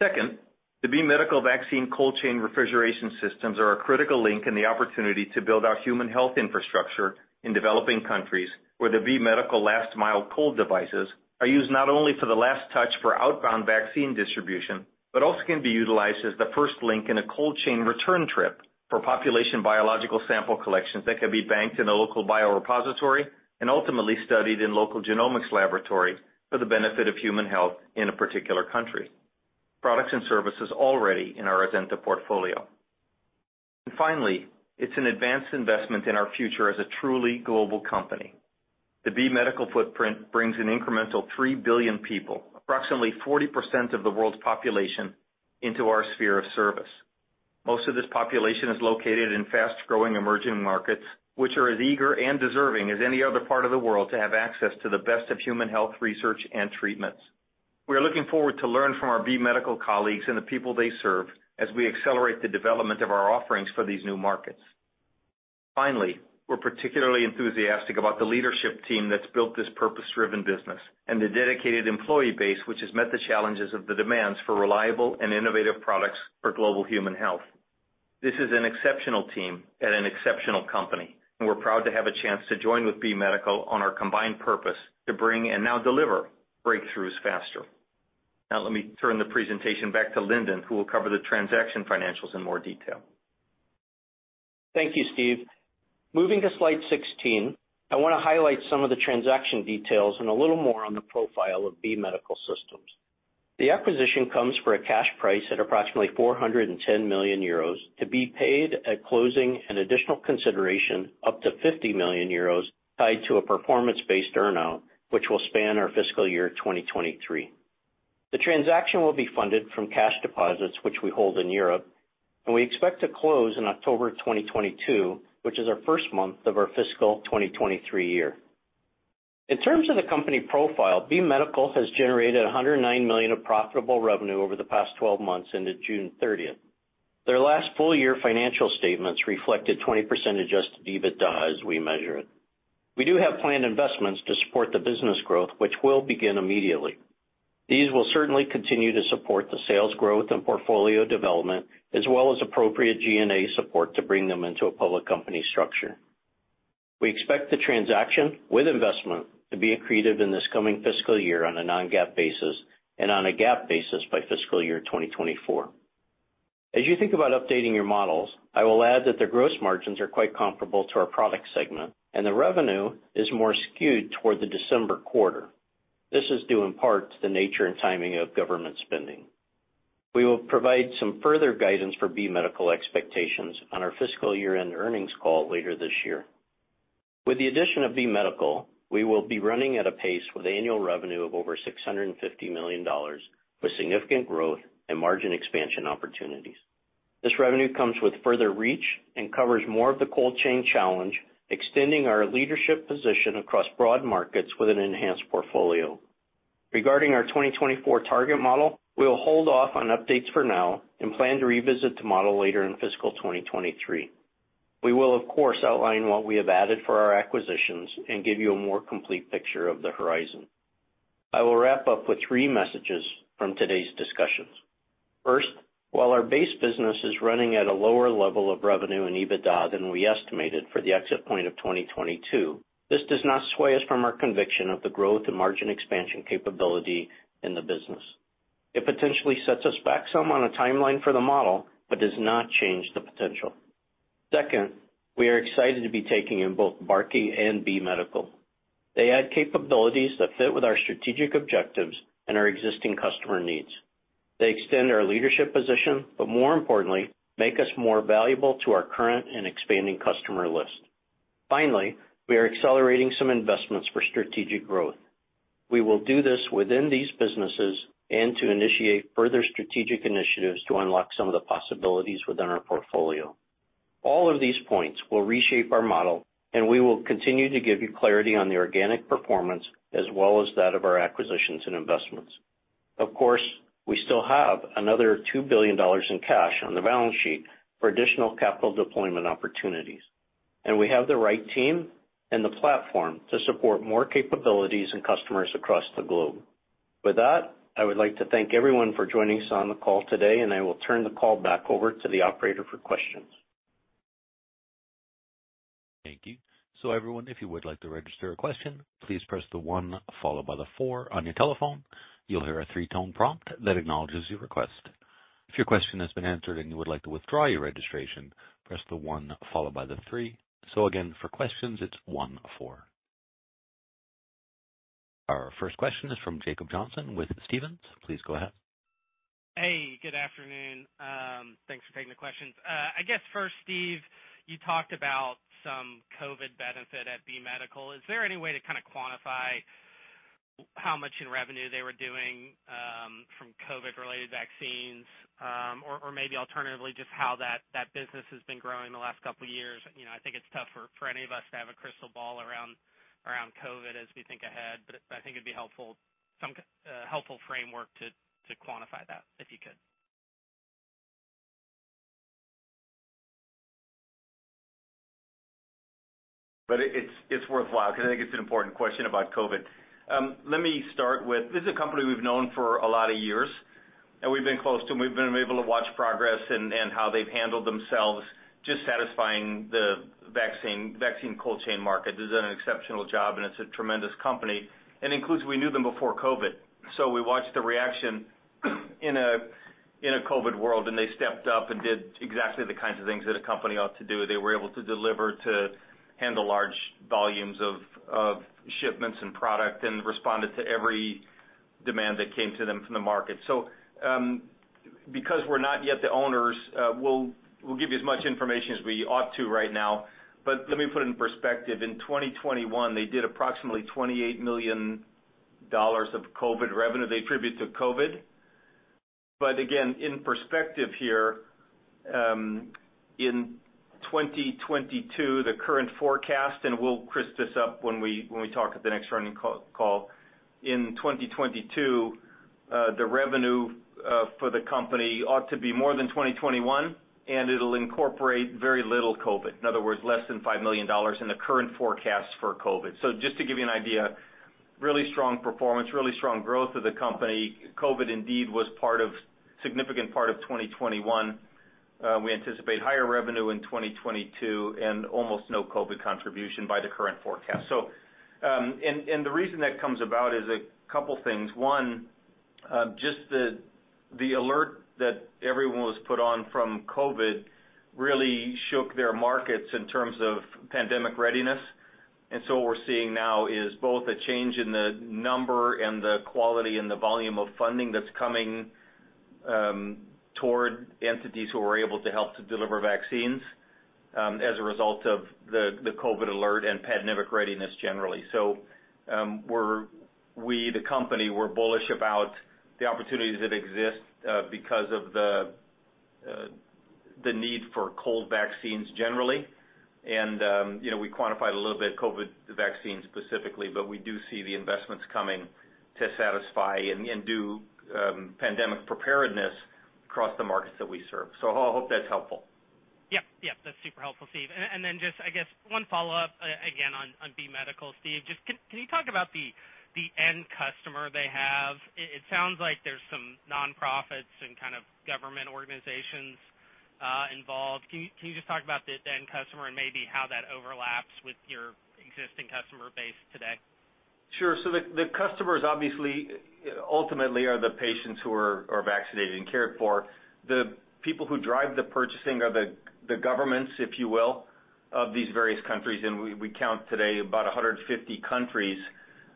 Second, the B Medical vaccine cold chain refrigeration systems are a critical link in the opportunity to build our human health infrastructure in developing countries where the B Medical last-mile cold devices are used not only for the last touch for outbound vaccine distribution, but also can be utilized as the first link in a cold chain return trip for population biological sample collections that can be banked in a local biorepository and ultimately studied in local genomics laboratories for the benefit of human health in a particular country. Products and services already in our Azenta portfolio. Finally, it's an advanced investment in our future as a truly global company. The B Medical footprint brings an incremental 3 billion people, approximately 40% of the world's population, into our sphere of service. Most of this population is located in fast-growing emerging markets, which are as eager and deserving as any other part of the world to have access to the best of human health research and treatments. We are looking forward to learn from our B Medical colleagues and the people they serve as we accelerate the development of our offerings for these new markets. Finally, we're particularly enthusiastic about the leadership team that's built this purpose-driven business and the dedicated employee base, which has met the challenges of the demands for reliable and innovative products for global human health. This is an exceptional team and an exceptional company, and we're proud to have a chance to join with B Medical on our combined purpose to bring and now deliver breakthroughs faster. Now let me turn the presentation back to Lindon, who will cover the transaction financials in more detail. Thank you, Steve. Moving to slide 16, I want to highlight some of the transaction details and a little more on the profile of B Medical Systems. The acquisition comes for a cash price at approximately 410 million euros to be paid at closing, an additional consideration up to 50 million euros tied to a performance-based earn-out, which will span our fiscal year 2023. The transaction will be funded from cash deposits, which we hold in Europe, and we expect to close in October 2022, which is our first month of our fiscal 2023 year. In terms of the company profile, B Medical has generated 109 million of profitable revenue over the past 12 months ended June 30th. Their last full year financial statements reflected 20% adjusted EBITDA as we measure it. We do have planned investments to support the business growth, which will begin immediately. These will certainly continue to support the sales growth and portfolio development as well as appropriate G&A support to bring them into a public company structure. We expect the transaction with investment to be accretive in this coming fiscal year on a non-GAAP basis and on a GAAP basis by fiscal year 2024. As you think about updating your models, I will add that their gross margins are quite comparable to our product segment, and the revenue is more skewed toward the December quarter. This is due in part to the nature and timing of government spending. We will provide some further guidance for B Medical expectations on our fiscal year-end earnings call later this year. With the addition of B Medical Systems, we will be running at a pace with annual revenue of over $650 million, with significant growth and margin expansion opportunities. This revenue comes with further reach and covers more of the cold chain challenge, extending our leadership position across broad markets with an enhanced portfolio. Regarding our 2024 target model, we will hold off on updates for now and plan to revisit the model later in fiscal 2023. We will of course outline what we have added for our acquisitions and give you a more complete picture of the horizon. I will wrap up with three messages from today's discussions. First, while our base business is running at a lower level of revenue and EBITDA than we estimated for the exit point of 2022, this does not sway us from our conviction of the growth and margin expansion capability in the business. It potentially sets us back some on a timeline for the model, but does not change the potential. Second, we are excited to be taking in both Barkey and B Medical. They add capabilities that fit with our strategic objectives and our existing customer needs. They extend our leadership position, but more importantly, make us more valuable to our current and expanding customer list. Finally, we are accelerating some investments for strategic growth. We will do this within these businesses and to initiate further strategic initiatives to unlock some of the possibilities within our portfolio. All of these points will reshape our model, and we will continue to give you clarity on the organic performance as well as that of our acquisitions and investments. Of course, we still have another $2 billion in cash on the balance sheet for additional capital deployment opportunities, and we have the right team and the platform to support more capabilities and customers across the globe. With that, I would like to thank everyone for joining us on the call today, and I will turn the call back over to the operator for questions. Thank you. Everyone, if you would like to register a question, please press the one followed by the four on your telephone. You'll hear a three-tone prompt that acknowledges your request. If your question has been answered and you would like to withdraw your registration, press the one followed by the three. Again, for questions, it's one, four. Our first question is from Jacob Johnson with Stephens. Please go ahead. Hey, good afternoon. Thanks for taking the questions. I guess first, Steve, you talked about some COVID benefit at B Medical. Is there any way to kind of quantify how much in revenue they were doing from COVID-related vaccines? Or maybe alternatively, just how that business has been growing in the last couple of years. You know, I think it's tough for any of us to have a crystal ball around COVID as we think ahead, but I think it'd be helpful, some helpful framework to quantify that, if you could. It's worthwhile because I think it's an important question about COVID. Let me start with this is a company we've known for a lot of years, and we've been close to them. We've been able to watch progress and how they've handled themselves, just satisfying the vaccine cold chain market. They've done an exceptional job, and it's a tremendous company, and indeed we knew them before COVID. We watched the reaction in a COVID world, and they stepped up and did exactly the kinds of things that a company ought to do. They were able to deliver and handle large volumes of shipments and product and responded to every demand that came to them from the market. Because we're not yet the owners, we'll give you as much information as we ought to right now. Let me put it in perspective. In 2021, they did approximately $28 million of COVID revenue they attribute to COVID. Again, in perspective here, in 2022, the current forecast, and we'll crisp this up when we talk at the next earnings call. In 2022, the revenue for the company ought to be more than 2021, and it'll incorporate very little COVID. In other words, less than $5 million in the current forecast for COVID. Just to give you an idea. Really strong performance, really strong growth of the company. COVID indeed was a significant part of 2021. We anticipate higher revenue in 2022 and almost no COVID contribution by the current forecast. The reason that comes about is a couple things. One, just the alert that everyone was put on from COVID really shook their markets in terms of pandemic readiness. What we're seeing now is both a change in the number and the quality and the volume of funding that's coming toward entities who are able to help to deliver vaccines as a result of the COVID alert and pandemic readiness generally. We, the company, we're bullish about the opportunities that exist because of the need for cold vaccines generally. You know, we quantified a little bit COVID vaccine specifically, but we do see the investments coming to satisfy and do pandemic preparedness across the markets that we serve. I hope that's helpful. Yep. That's super helpful, Steve. Just I guess one follow-up again on B Medical, Steve. Just can you talk about the end customer they have? It sounds like there's some nonprofits and kind of government organizations involved. Can you just talk about the end customer and maybe how that overlaps with your existing customer base today? Sure. The customers obviously ultimately are the patients who are vaccinated and cared for. The people who drive the purchasing are the governments, if you will, of these various countries, and we count today about 150 countries.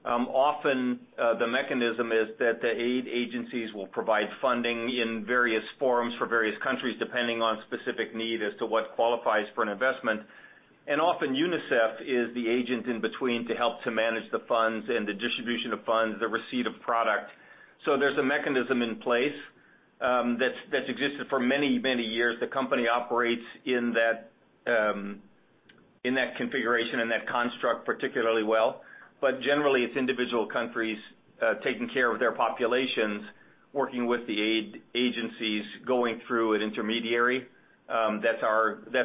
Often, the mechanism is that the aid agencies will provide funding in various forums for various countries, depending on specific need as to what qualifies for an investment. Often UNICEF is the agent in between to help to manage the funds and the distribution of funds, the receipt of product. There's a mechanism in place, that's existed for many, many years. The company operates in that, in that configuration and that construct particularly well. Generally it's individual countries, taking care of their populations, working with the aid agencies, going through an intermediary. That's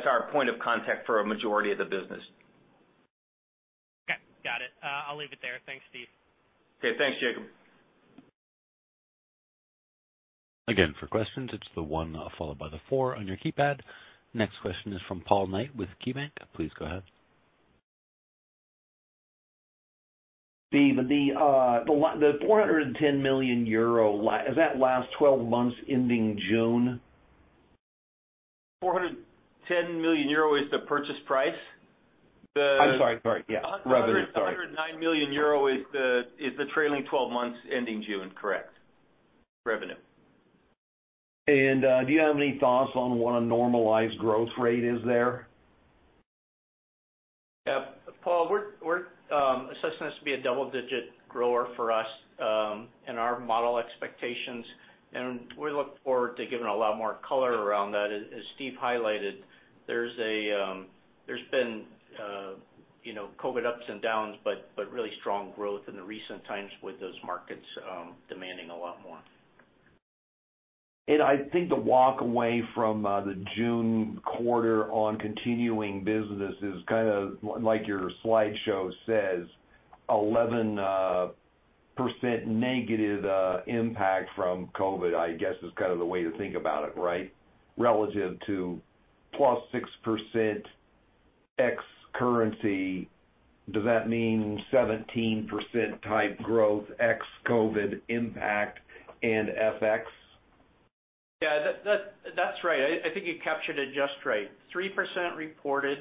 our point of contact for a majority of the business. Okay, got it. I'll leave it there. Thanks, Steve. Okay, thanks, Jacob. Again, for questions, it's the one followed by the four on your keypad. Next question is from Paul Knight with KeyBanc Capital Markets. Please go ahead. Steve, the 410 million euro is that last 12 months ending June? 410 million euro is the purchase price. I'm sorry. Yeah. Revenue. Sorry. The 109 million euro is the trailing 12 months ending June. Correct. Revenue. Do you have any thoughts on what a normalized growth rate is there? Yeah. Paul, we're assessing this to be a double-digit grower for us, in our model expectations, and we look forward to giving a lot more color around that. As Steve highlighted, there's been, you know, COVID ups and downs, but really strong growth in the recent times with those markets, demanding a lot more. I think the walk away from the June quarter on continuing business is kinda like your slideshow says, 11% negative impact from COVID, I guess, is kind of the way to think about it, right? Relative to +6% ex currency. Does that mean 17% type growth ex-COVID impact and FX? Yeah, that's right. I think you captured it just right. 3% reported.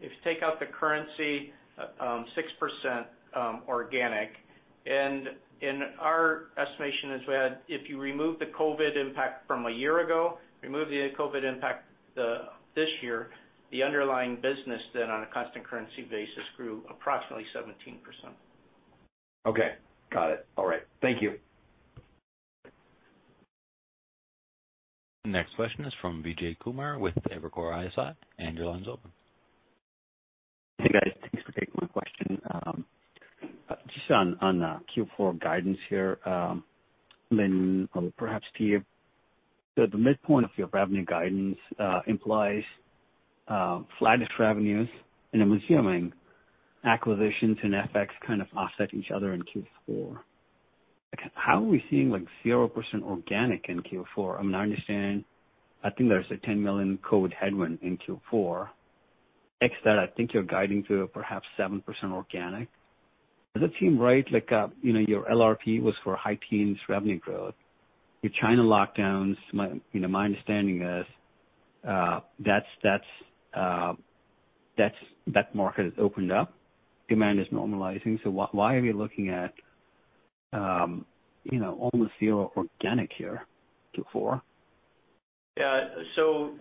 If you take out the currency, 6%, organic. In our estimation, if you remove the COVID impact from a year ago, remove the COVID impact this year, the underlying business then on a constant currency basis grew approximately 17%. Okay, got it. All right. Thank you. Next question is from Vijay Kumar with Evercore ISI. Your line's open. Hey, guys. Thanks for taking my question. Just on Q4 guidance here, Lindon or perhaps Steve. The midpoint of your revenue guidance implies flat revenues, and I'm assuming acquisitions and FX kind of offset each other in Q4. How are we seeing, like, 0% organic in Q4? I mean, I understand, I think there's a $10 million COVID headwind in Q4. Excluding that, I think you're guiding to perhaps 7% organic. Does that seem right? Like, you know, your LRP was for high teens revenue growth. Your China lockdowns, my, you know, my understanding is, that market has opened up. Demand is normalizing. Why are we looking at, you know, almost zero organic here, Q4? Yeah.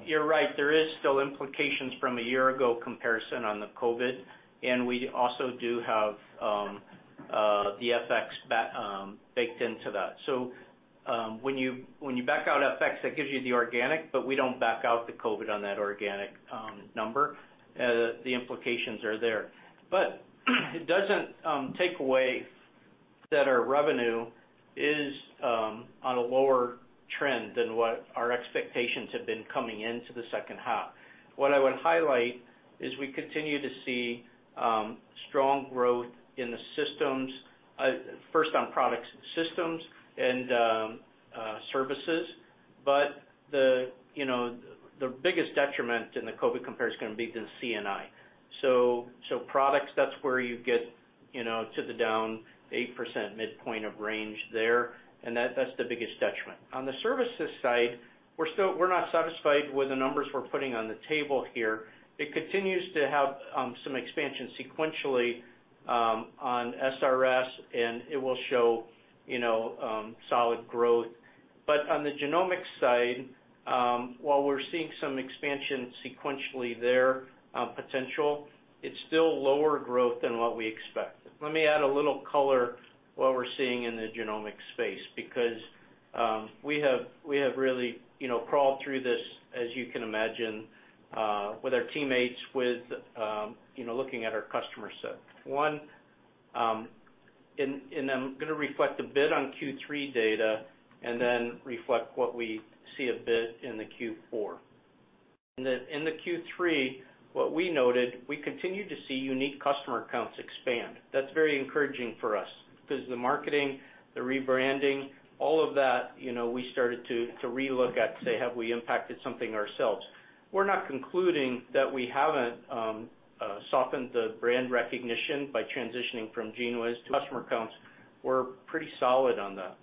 You're right. There is still implications from a year ago comparison on the COVID, and we also do have the FX baked into that. When you back out FX, that gives you the organic, but we don't back out the COVID on that organic number. The implications are there. It doesn't take away that our revenue is on a lower trend than what our expectations have been coming into the second half. What I would highlight is we continue to see strong growth in the systems, first on products and systems and services. The biggest detriment in the COVID compare is gonna be the C&I. Products, that's where you get, you know, to the down 8% midpoint of range there, and that's the biggest detriment. On the services side, we're not satisfied with the numbers we're putting on the table here. It continues to have some expansion sequentially on SRS, and it will show, you know, solid growth. But on the genomics side, while we're seeing some expansion sequentially there, it's still lower growth than what we expected. Let me add a little color to what we're seeing in the genomics space, because we have really, you know, crawled through this, as you can imagine, with our teammates, you know, looking at our customer set. I'm gonna reflect a bit on Q3 data and then reflect a bit on what we see in Q4. In Q3, what we noted, we continue to see unique customer accounts expand. That's very encouraging for us because the marketing, the rebranding, all of that, we started to re-look at, say, have we impacted something ourselves? We're not concluding that we haven't softened the brand recognition by transitioning from GENEWIZ to customer accounts. We're pretty solid on that.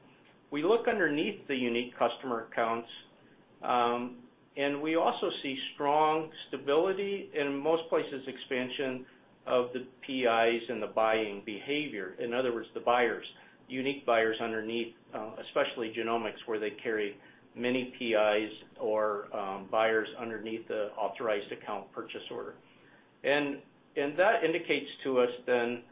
We look underneath the unique customer accounts, and we also see strong stability, in most places expansion of the PIs and the buying behavior. In other words, the buyers, unique buyers underneath, especially genomics, where they carry many PIs or, buyers underneath the authorized account purchase order. That indicates to us then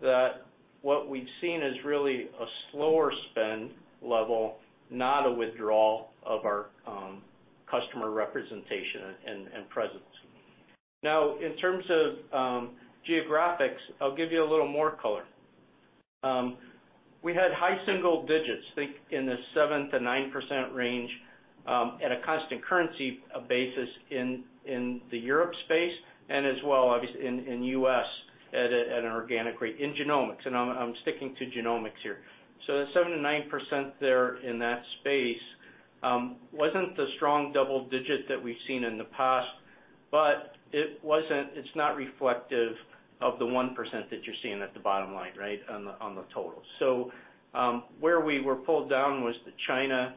that what we've seen is really a slower spend level, not a withdrawal of our customer representation and presence. Now, in terms of geographics, I'll give you a little more color. We had high single digits, think in the 7%-9% range, at a constant currency basis in the Europe space and as well, obviously in U.S. at an organic rate in genomics. I'm sticking to genomics here. The 7%-9% there in that space wasn't the strong double-digit that we've seen in the past, but it wasn't. It's not reflective of the 1% that you're seeing at the bottom line, right, on the total. Where we were pulled down was the China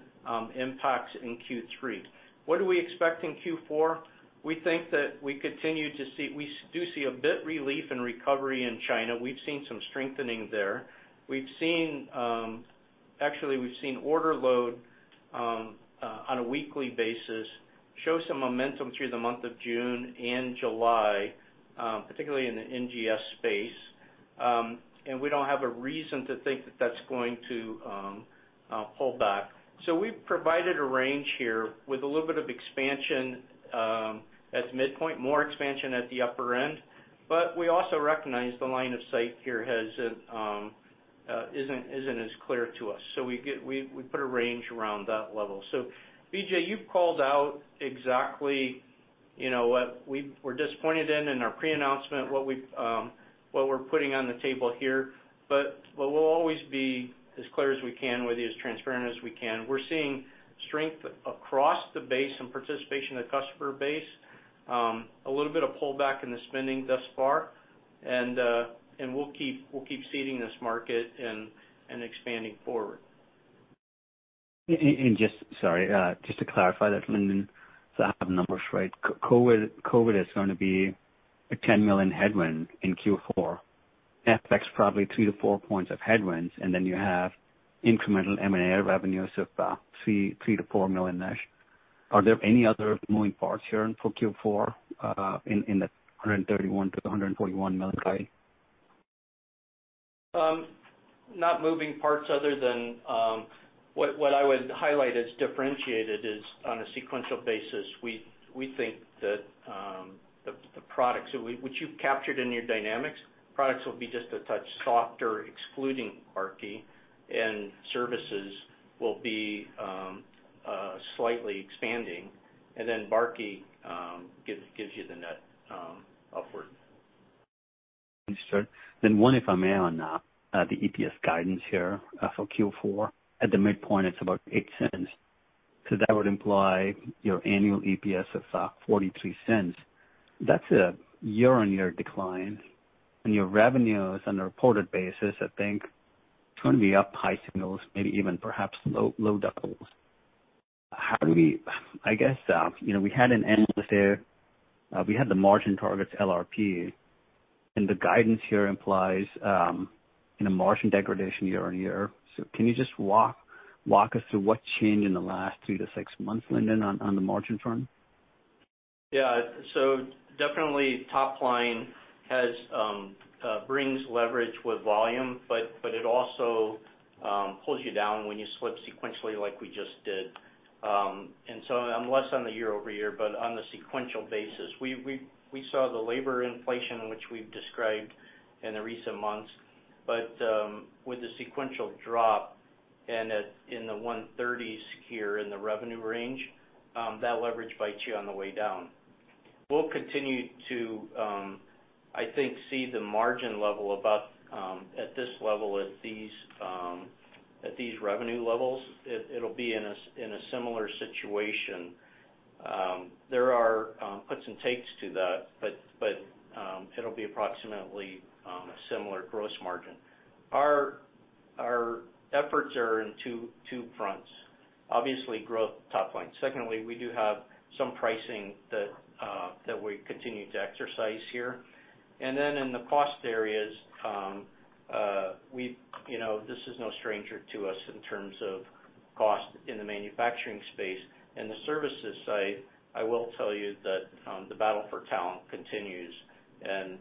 impacts in Q3. What do we expect in Q4? We think that we continue to see. We do see a bit relief and recovery in China. We've seen some strengthening there. We've seen, actually, order load on a weekly basis show some momentum through the month of June and July, particularly in the NGS space. We don't have a reason to think that that's going to pull back. We've provided a range here with a little bit of expansion at the midpoint, more expansion at the upper end. We also recognize the line of sight here isn't as clear to us. We put a range around that level. BJ, you've called out exactly, you know, what we were disappointed in in our pre-announcement, what we're putting on the table here. We'll always be as clear as we can with you, as transparent as we can. We're seeing strength across the base and participation in the customer base. A little bit of pullback in the spending thus far, and we'll keep seeding this market and expanding forward. Sorry, just to clarify that, Lindon, so I have the numbers right. COVID is gonna be a $10 million headwind in Q4. That affects probably 3-4 points of headwinds, and then you have incremental M&A revenues of $3-4 million-ish. Are there any other moving parts here for Q4 in the $131 million-$141 million guide? Not moving parts other than what I would highlight as differentiated is, on a sequential basis, we think that the products which you've captured in your dynamics, products will be just a touch softer, excluding Barkey, and services will be slightly expanding. Then Barkey gives you the net upward. Understood. One, if I may, on the EPS guidance here for Q4. At the midpoint, it's about $0.08. That would imply your annual EPS of $0.43. That's a year-on-year decline. Your revenues on a reported basis, I think it's gonna be up high single digits, maybe even low double digits. I guess we had the analyst day, we had the margin targets LRP, and the guidance here implies margin degradation year-on-year. Can you just walk us through what changed in the last 3-6 months, Lindon, on the margin front? Definitely top line brings leverage with volume, but it also pulls you down when you slip sequentially like we just did. I'm less on the year-over-year, but on the sequential basis. We saw the labor inflation which we've described in the recent months, but with the sequential drop and in the $130s here in the revenue range, that leverage bites you on the way down. We'll continue to, I think, see the margin level above at this level at these revenue levels. It'll be in a similar situation. There are puts and takes to that, but it'll be approximately a similar gross margin. Our efforts are in two fronts. Obviously, growth top line. Secondly, we do have some pricing that we continue to exercise here. In the cost areas, we, you know, this is no stranger to us in terms of cost in the manufacturing space. In the services side, I will tell you that the battle for talent continues and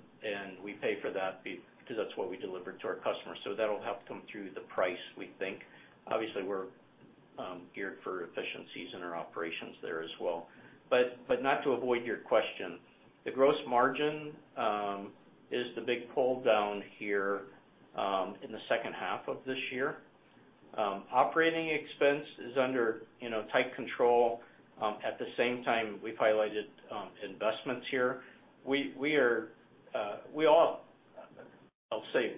we pay for that because that's what we deliver to our customers. That'll have to come through the price, we think. Obviously, we're geared for efficiencies in our operations there as well. Not to avoid your question, the gross margin is the big pull down here in the second half of this year. Operating expense is under, you know, tight control. At the same time, we've highlighted investments here. We are we all... I'll say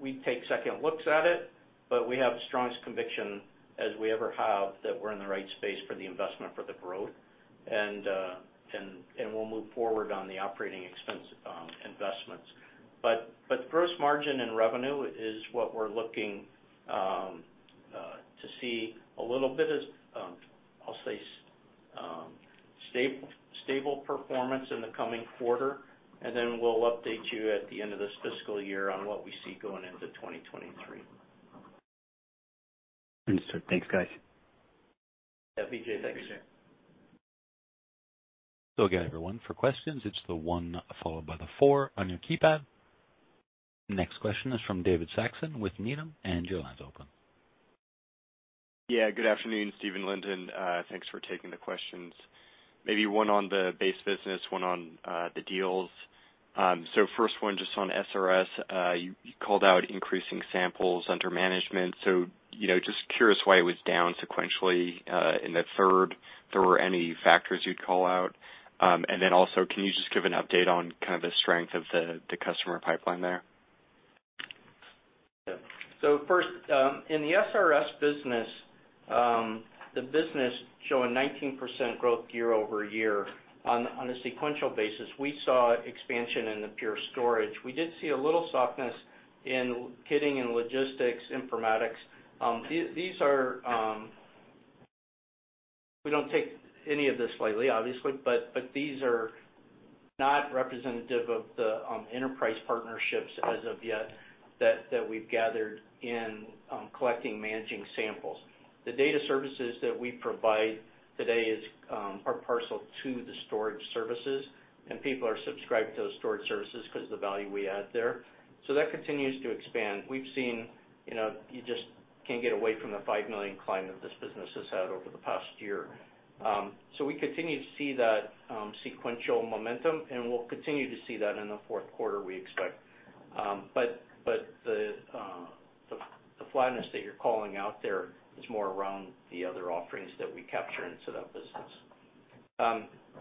we take second looks at it, but we have the strongest conviction as we ever have that we're in the right space for the investment for the growth, and we'll move forward on the operating expense investments. Gross margin and revenue is what we're looking to see a little bit of, I'll say, stable performance in the coming quarter, and then we'll update you at the end of this fiscal year on what we see going into 2023. Understood. Thanks, guys. Yeah, Vijay. Thanks. Appreciate it. Again, everyone, for questions, it's the one followed by the four on your keypad. Next question is from David Saxon with Needham, and your line's open. Yeah, good afternoon, Steve, Lindon. Thanks for taking the questions. Maybe one on the base business, one on the deals. First one just on SRS. You called out increasing samples under management. You know, just curious why it was down sequentially in the third. If there were any factors you'd call out. And then also, can you just give an update on kind of the strength of the customer pipeline there? Yeah. First, in the SRS business, the business shows 19% growth year-over-year on a sequential basis. We saw expansion in the pure storage. We did see a little softness in kitting and logistics informatics. These are... We don't take any of this lightly, obviously, but these are not representative of the enterprise partnerships as of yet that we've gathered in collecting, managing samples. The data services that we provide today are parallel to the storage services, and people are subscribed to those storage services 'cause of the value we add there. That continues to expand. We've seen, you know, you just can't get away from the $5 million climb that this business has had over the past year. We continue to see that sequential momentum, and we'll continue to see that in the fourth quarter, we expect. The flatness that you're calling out there is more around the other offerings that we capture into that business.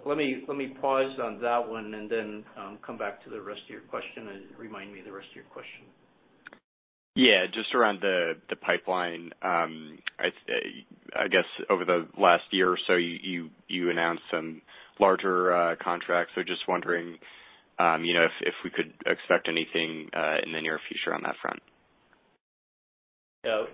Let me pause on that one and then come back to the rest of your question. Remind me the rest of your question. Yeah, just around the pipeline. I guess over the last year or so, you announced some larger contracts. Just wondering, you know, if we could expect anything in the near future on that front? Yeah.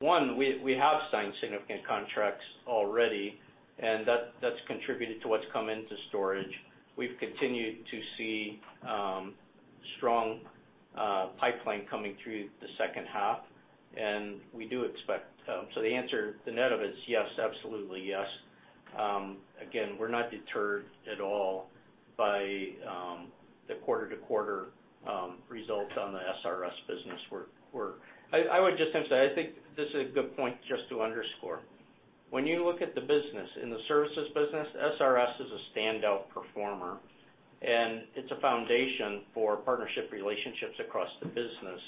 One, we have signed significant contracts already, and that's contributed to what's come into storage. We've continued to see strong pipeline coming through the second half, and we do expect. The answer, the net of it is yes, absolutely yes. Again, we're not deterred at all by the quarter-to-quarter results on the SRS business. I would just emphasize, I think this is a good point just to underscore. When you look at the business, in the services business, SRS is a standout performer, and it's a foundation for partnership relationships across the business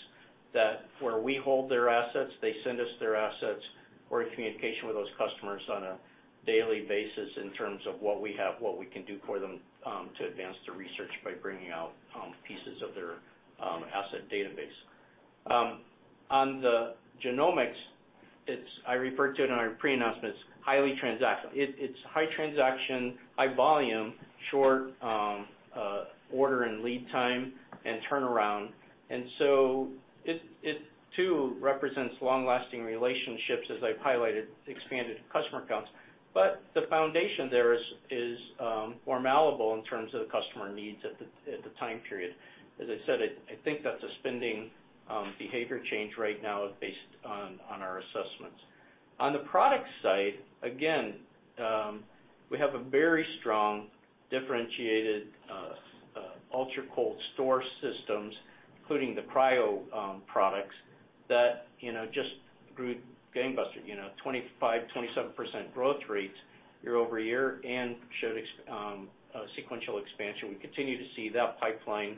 that where we hold their assets, they send us their assets. We're in communication with those customers on a daily basis in terms of what we have, what we can do for them, to advance the research by bringing out pieces of their asset database. On the genomics, I referred to it in our pre-announcement. It's highly transactional. It's high transaction, high volume, short order and lead time and turnaround. It too represents long-lasting relationships, as I've highlighted, expanded customer counts. The foundation there is more malleable in terms of the customer needs at the time period. As I said, I think that's a spending behavior change right now based on our assessments. On the product side, again, we have a very strong differentiated ultra-cold storage systems, including the cryo products that just grew gangbusters, you know, 25%, 27% growth rates year-over-year and showed sequential expansion. We continue to see that pipeline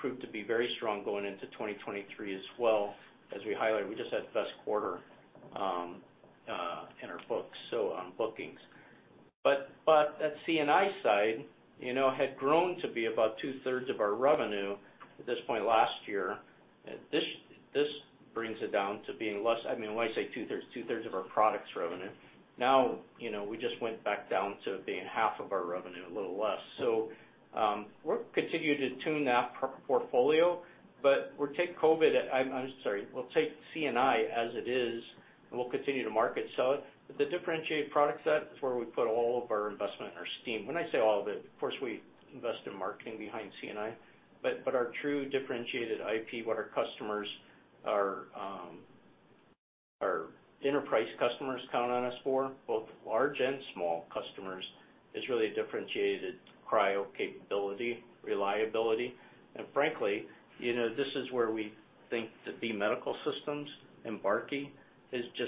prove to be very strong going into 2023 as well. As we highlighted, we just had the best quarter in our books so on bookings. That C&I side, you know, had grown to be about 2/3 of our revenue at this point last year. This brings it down to being less. I mean, when I say 2/3, 2/3 of our products revenue. Now, you know, we just went back down to being half of our revenue, a little less. We'll continue to tune that portfolio, but we'll take C&I. I'm sorry, we'll take C&I as it is, and we'll continue to market sell it. The differentiated product set is where we put all of our investment and our steam. When I say all of it, of course, we invest in marketing behind C&I. Our true differentiated IP, what our customers, our enterprise customers count on us for, both large and small customers, is really a differentiated cryo capability, reliability. Frankly, you know, this is where we think that B Medical Systems and Barkey just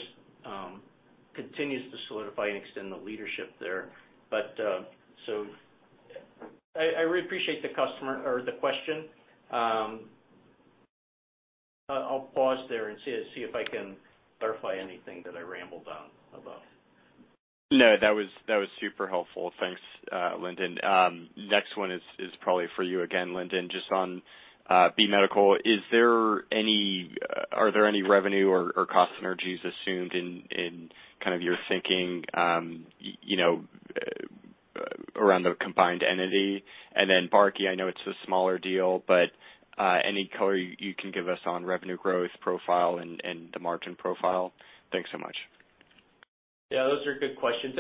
continues to solidify and extend the leadership there. I really appreciate the question. I'll pause there and see if I can clarify anything that I rambled on about. No, that was super helpful. Thanks, Lindon. Next one is probably for you again, Lindon. Just on B Medical, are there any revenue or cost synergies assumed in kind of your thinking, you know, around the combined entity? Then Barkey, I know it's a smaller deal, but any color you can give us on revenue growth profile and the margin profile. Thanks so much. Yeah, those are good questions.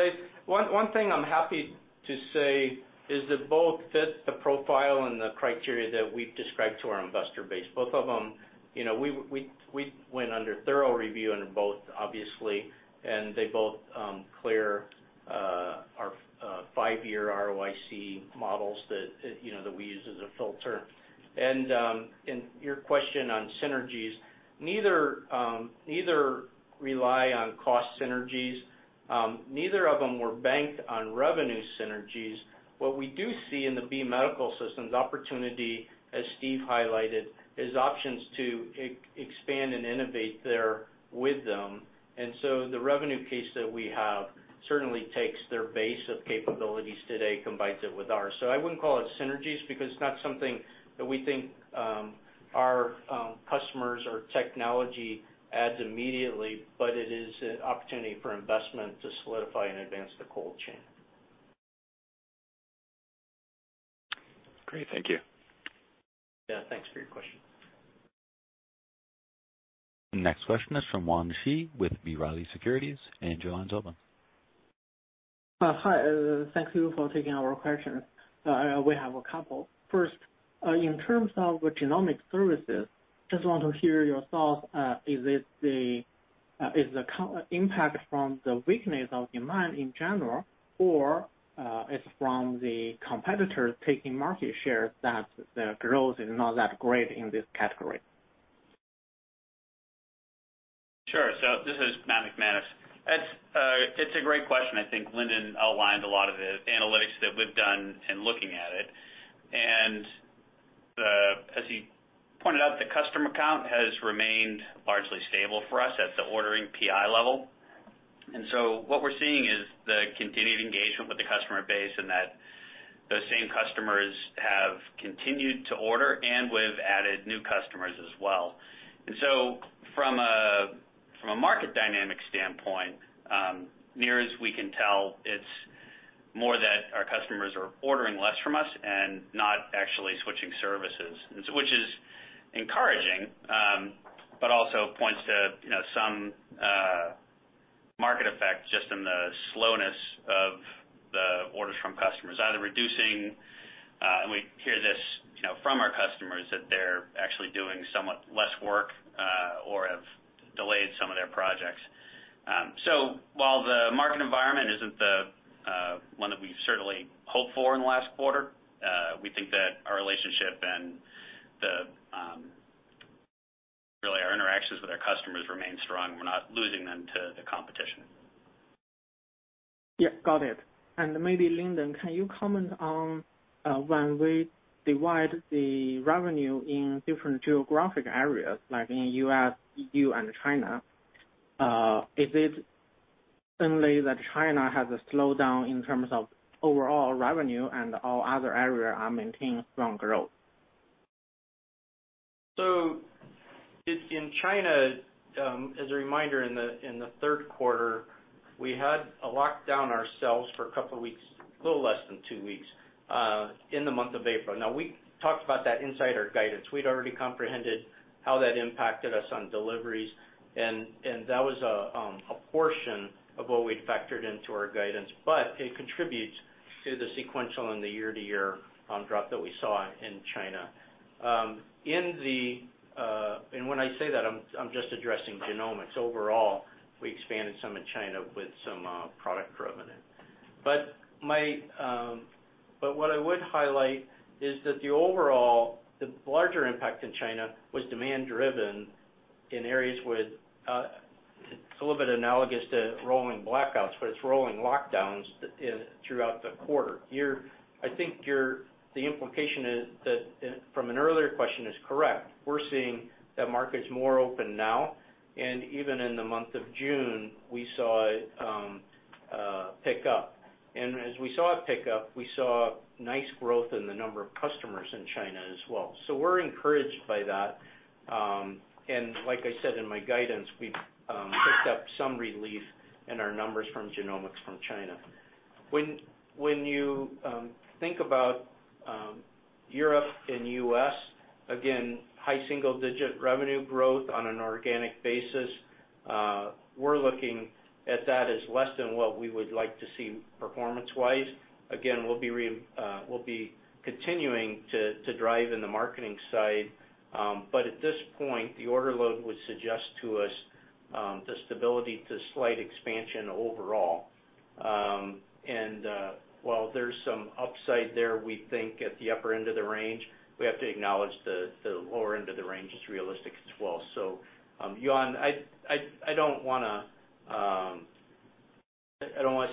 One thing I'm happy to say is that both fit the profile and the criteria that we've described to our investor base. Both of them, you know, we went through thorough review on both, obviously, and they both clear our five-year ROIC models that, you know, we use as a filter. Your question on synergies, neither rely on cost synergies. Neither of them were banked on revenue synergies. What we do see in the B Medical Systems opportunity, as Steve highlighted, is options to expand and innovate there with them. The revenue case that we have certainly takes their base of capabilities today, combines it with ours. I wouldn't call it synergies because it's not something that we think our customers or technology adds immediately, but it is an opportunity for investment to solidify and advance the cold chain. Great. Thank you. Yeah, thanks for your question. Next question is from Yuan Zhi with B. Riley Securities. Joanne Zoba. Hi, thank you for taking our questions. We have a couple. First, in terms of genomic services, just want to hear your thoughts. Is it the impact from the weakness of demand in general, or is from the competitors taking market share that the growth is not that great in this category? Sure. This is Matthew McManus. It's a great question. I think Lindon outlined a lot of the analytics that we've done in looking at it. As he pointed out, the customer count has remained largely stable for us at the ordering PI level. What we're seeing is the continued engagement with the customer base, and that those same customers have continued to order, and we've added new customers as well. From a market dynamic standpoint, near as we can tell, it's more that our customers are ordering less from us and not actually switching services, which is encouraging, but also points to, you know, some market effect just in the slowness of the orders from customers, either reducing, and we hear this, you know, from our customers that they're actually doing somewhat less work, or have delayed some of their projects. While the market environment isn't the one that we certainly hoped for in the last quarter, we think that our relationship and the really our interactions with our customers remain strong. We're not losing them to the competition. Yeah, got it. Maybe Lindon, can you comment on when we divide the revenue in different geographic areas, like in U.S., EU, and China, is it certain that China has a slowdown in terms of overall revenue and all other areas are maintaining strong growth? In China, as a reminder, in the third quarter, we had a lockdown ourselves for a couple of weeks, a little less than two weeks, in the month of April. Now, we talked about that inside our guidance. We'd already comprehended how that impacted us on deliveries, and that was a portion of what we'd factored into our guidance. It contributes to the sequential and the year-to-year drop that we saw in China. When I say that, I'm just addressing genomics. Overall, we expanded some in China with some product revenue. What I would highlight is that the overall, the larger impact in China was demand driven in areas with a little bit analogous to rolling blackouts, but it's rolling lockdowns throughout the quarter. The implication is that from an earlier question is correct. We're seeing that market's more open now. Even in the month of June, we saw pick-up. As we saw a pick-up, we saw nice growth in the number of customers in China as well. We're encouraged by that. Like I said in my guidance, we've picked up some relief in our numbers from genomics from China. When you think about Europe and U.S., again, high single digit revenue growth on an organic basis, we're looking at that as less than what we would like to see performance-wise. We'll be continuing to drive in the marketing side. At this point, the order load would suggest to us the stability to slight expansion overall. while there's some upside there, we think at the upper end of the range, we have to acknowledge the lower end of the range is realistic as well. Yuan, I don't wanna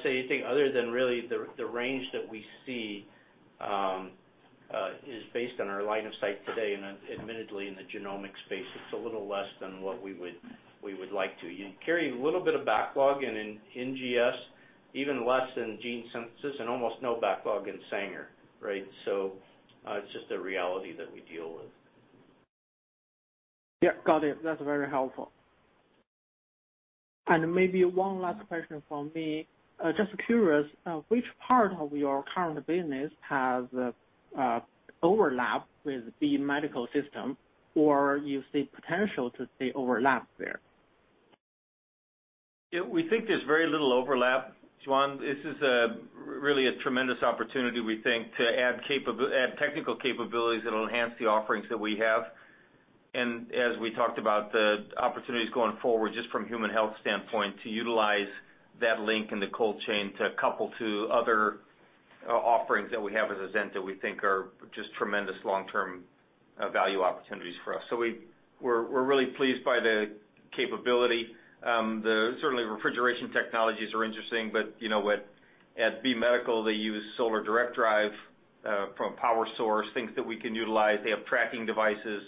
say anything other than really the range that we see is based on our line of sight today, and admittedly, in the genomics space, it's a little less than what we would like to. You carry a little bit of backlog in NGS, even less in gene synthesis, and almost no backlog in Sanger, right? It's just a reality that we deal with. Yeah. Got it. That's very helpful. Maybe one last question from me. Just curious, which part of your current business has overlap with B Medical Systems or you see potential to see overlap there? Yeah. We think there's very little overlap, Yuan. This is really a tremendous opportunity we think to add technical capabilities that'll enhance the offerings that we have. As we talked about the opportunities going forward, just from human health standpoint, to utilize that link in the cold chain to couple to other offerings that we have as Azenta we think are just tremendous long-term value opportunities for us. We're really pleased by the capability. Certainly, refrigeration technologies are interesting, but you know, at B Medical, they use solar direct drive from power source, things that we can utilize. They have tracking devices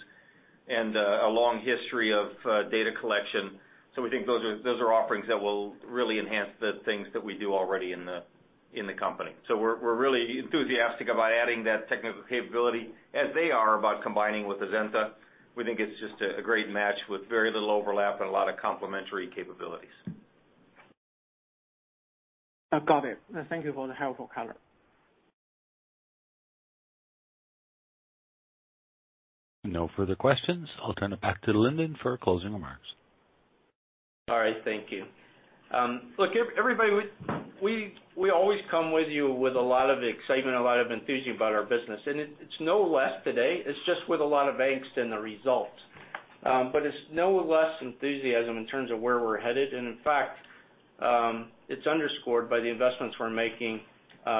and a long history of data collection. We think those are offerings that will really enhance the things that we do already in the company. We're really enthusiastic about adding that technical capability as they are about combining with Azenta. We think it's just a great match with very little overlap and a lot of complementary capabilities. I've got it. Thank you for the helpful color. No further questions. I'll turn it back to Lindon for closing remarks. All right. Thank you. Look, everybody, we always come with you with a lot of excitement, a lot of enthusiasm about our business. It's no less today, it's just with a lot of angst in the results. It's no less enthusiasm in terms of where we're headed. In fact, it's underscored by the investments we're making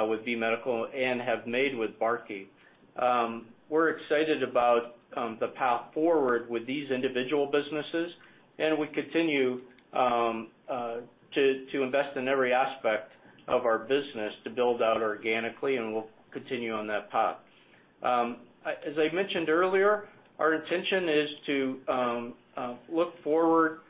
with B Medical and have made with Barkey. We're excited about the path forward with these individual businesses, and we continue to invest in every aspect of our business to build out organically, and we'll continue on that path. As I mentioned earlier, our intention is to look forward,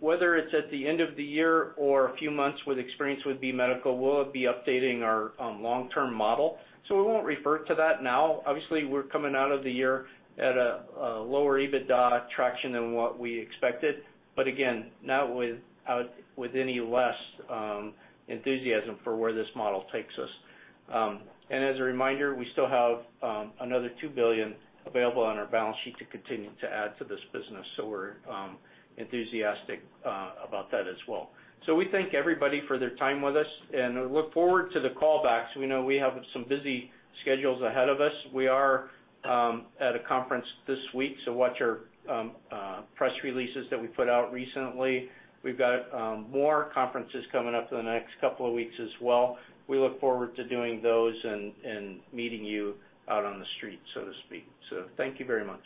whether it's at the end of the year or a few months with experience with B Medical, we'll be updating our long-term model. We won't refer to that now. Obviously, we're coming out of the year at a lower EBITDA traction than what we expected, but again, not with any less enthusiasm for where this model takes us. As a reminder, we still have another $2 billion available on our balance sheet to continue to add to this business. We're enthusiastic about that as well. We thank everybody for their time with us, and I look forward to the call backs. We know we have some busy schedules ahead of us. We are at a conference this week, so watch our press releases that we put out recently. We've got more conferences coming up in the next couple of weeks as well. We look forward to doing those and meeting you out on the street, so to speak. Thank you very much.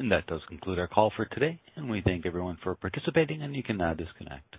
That does conclude our call for today, and we thank everyone for participating, and you can now disconnect.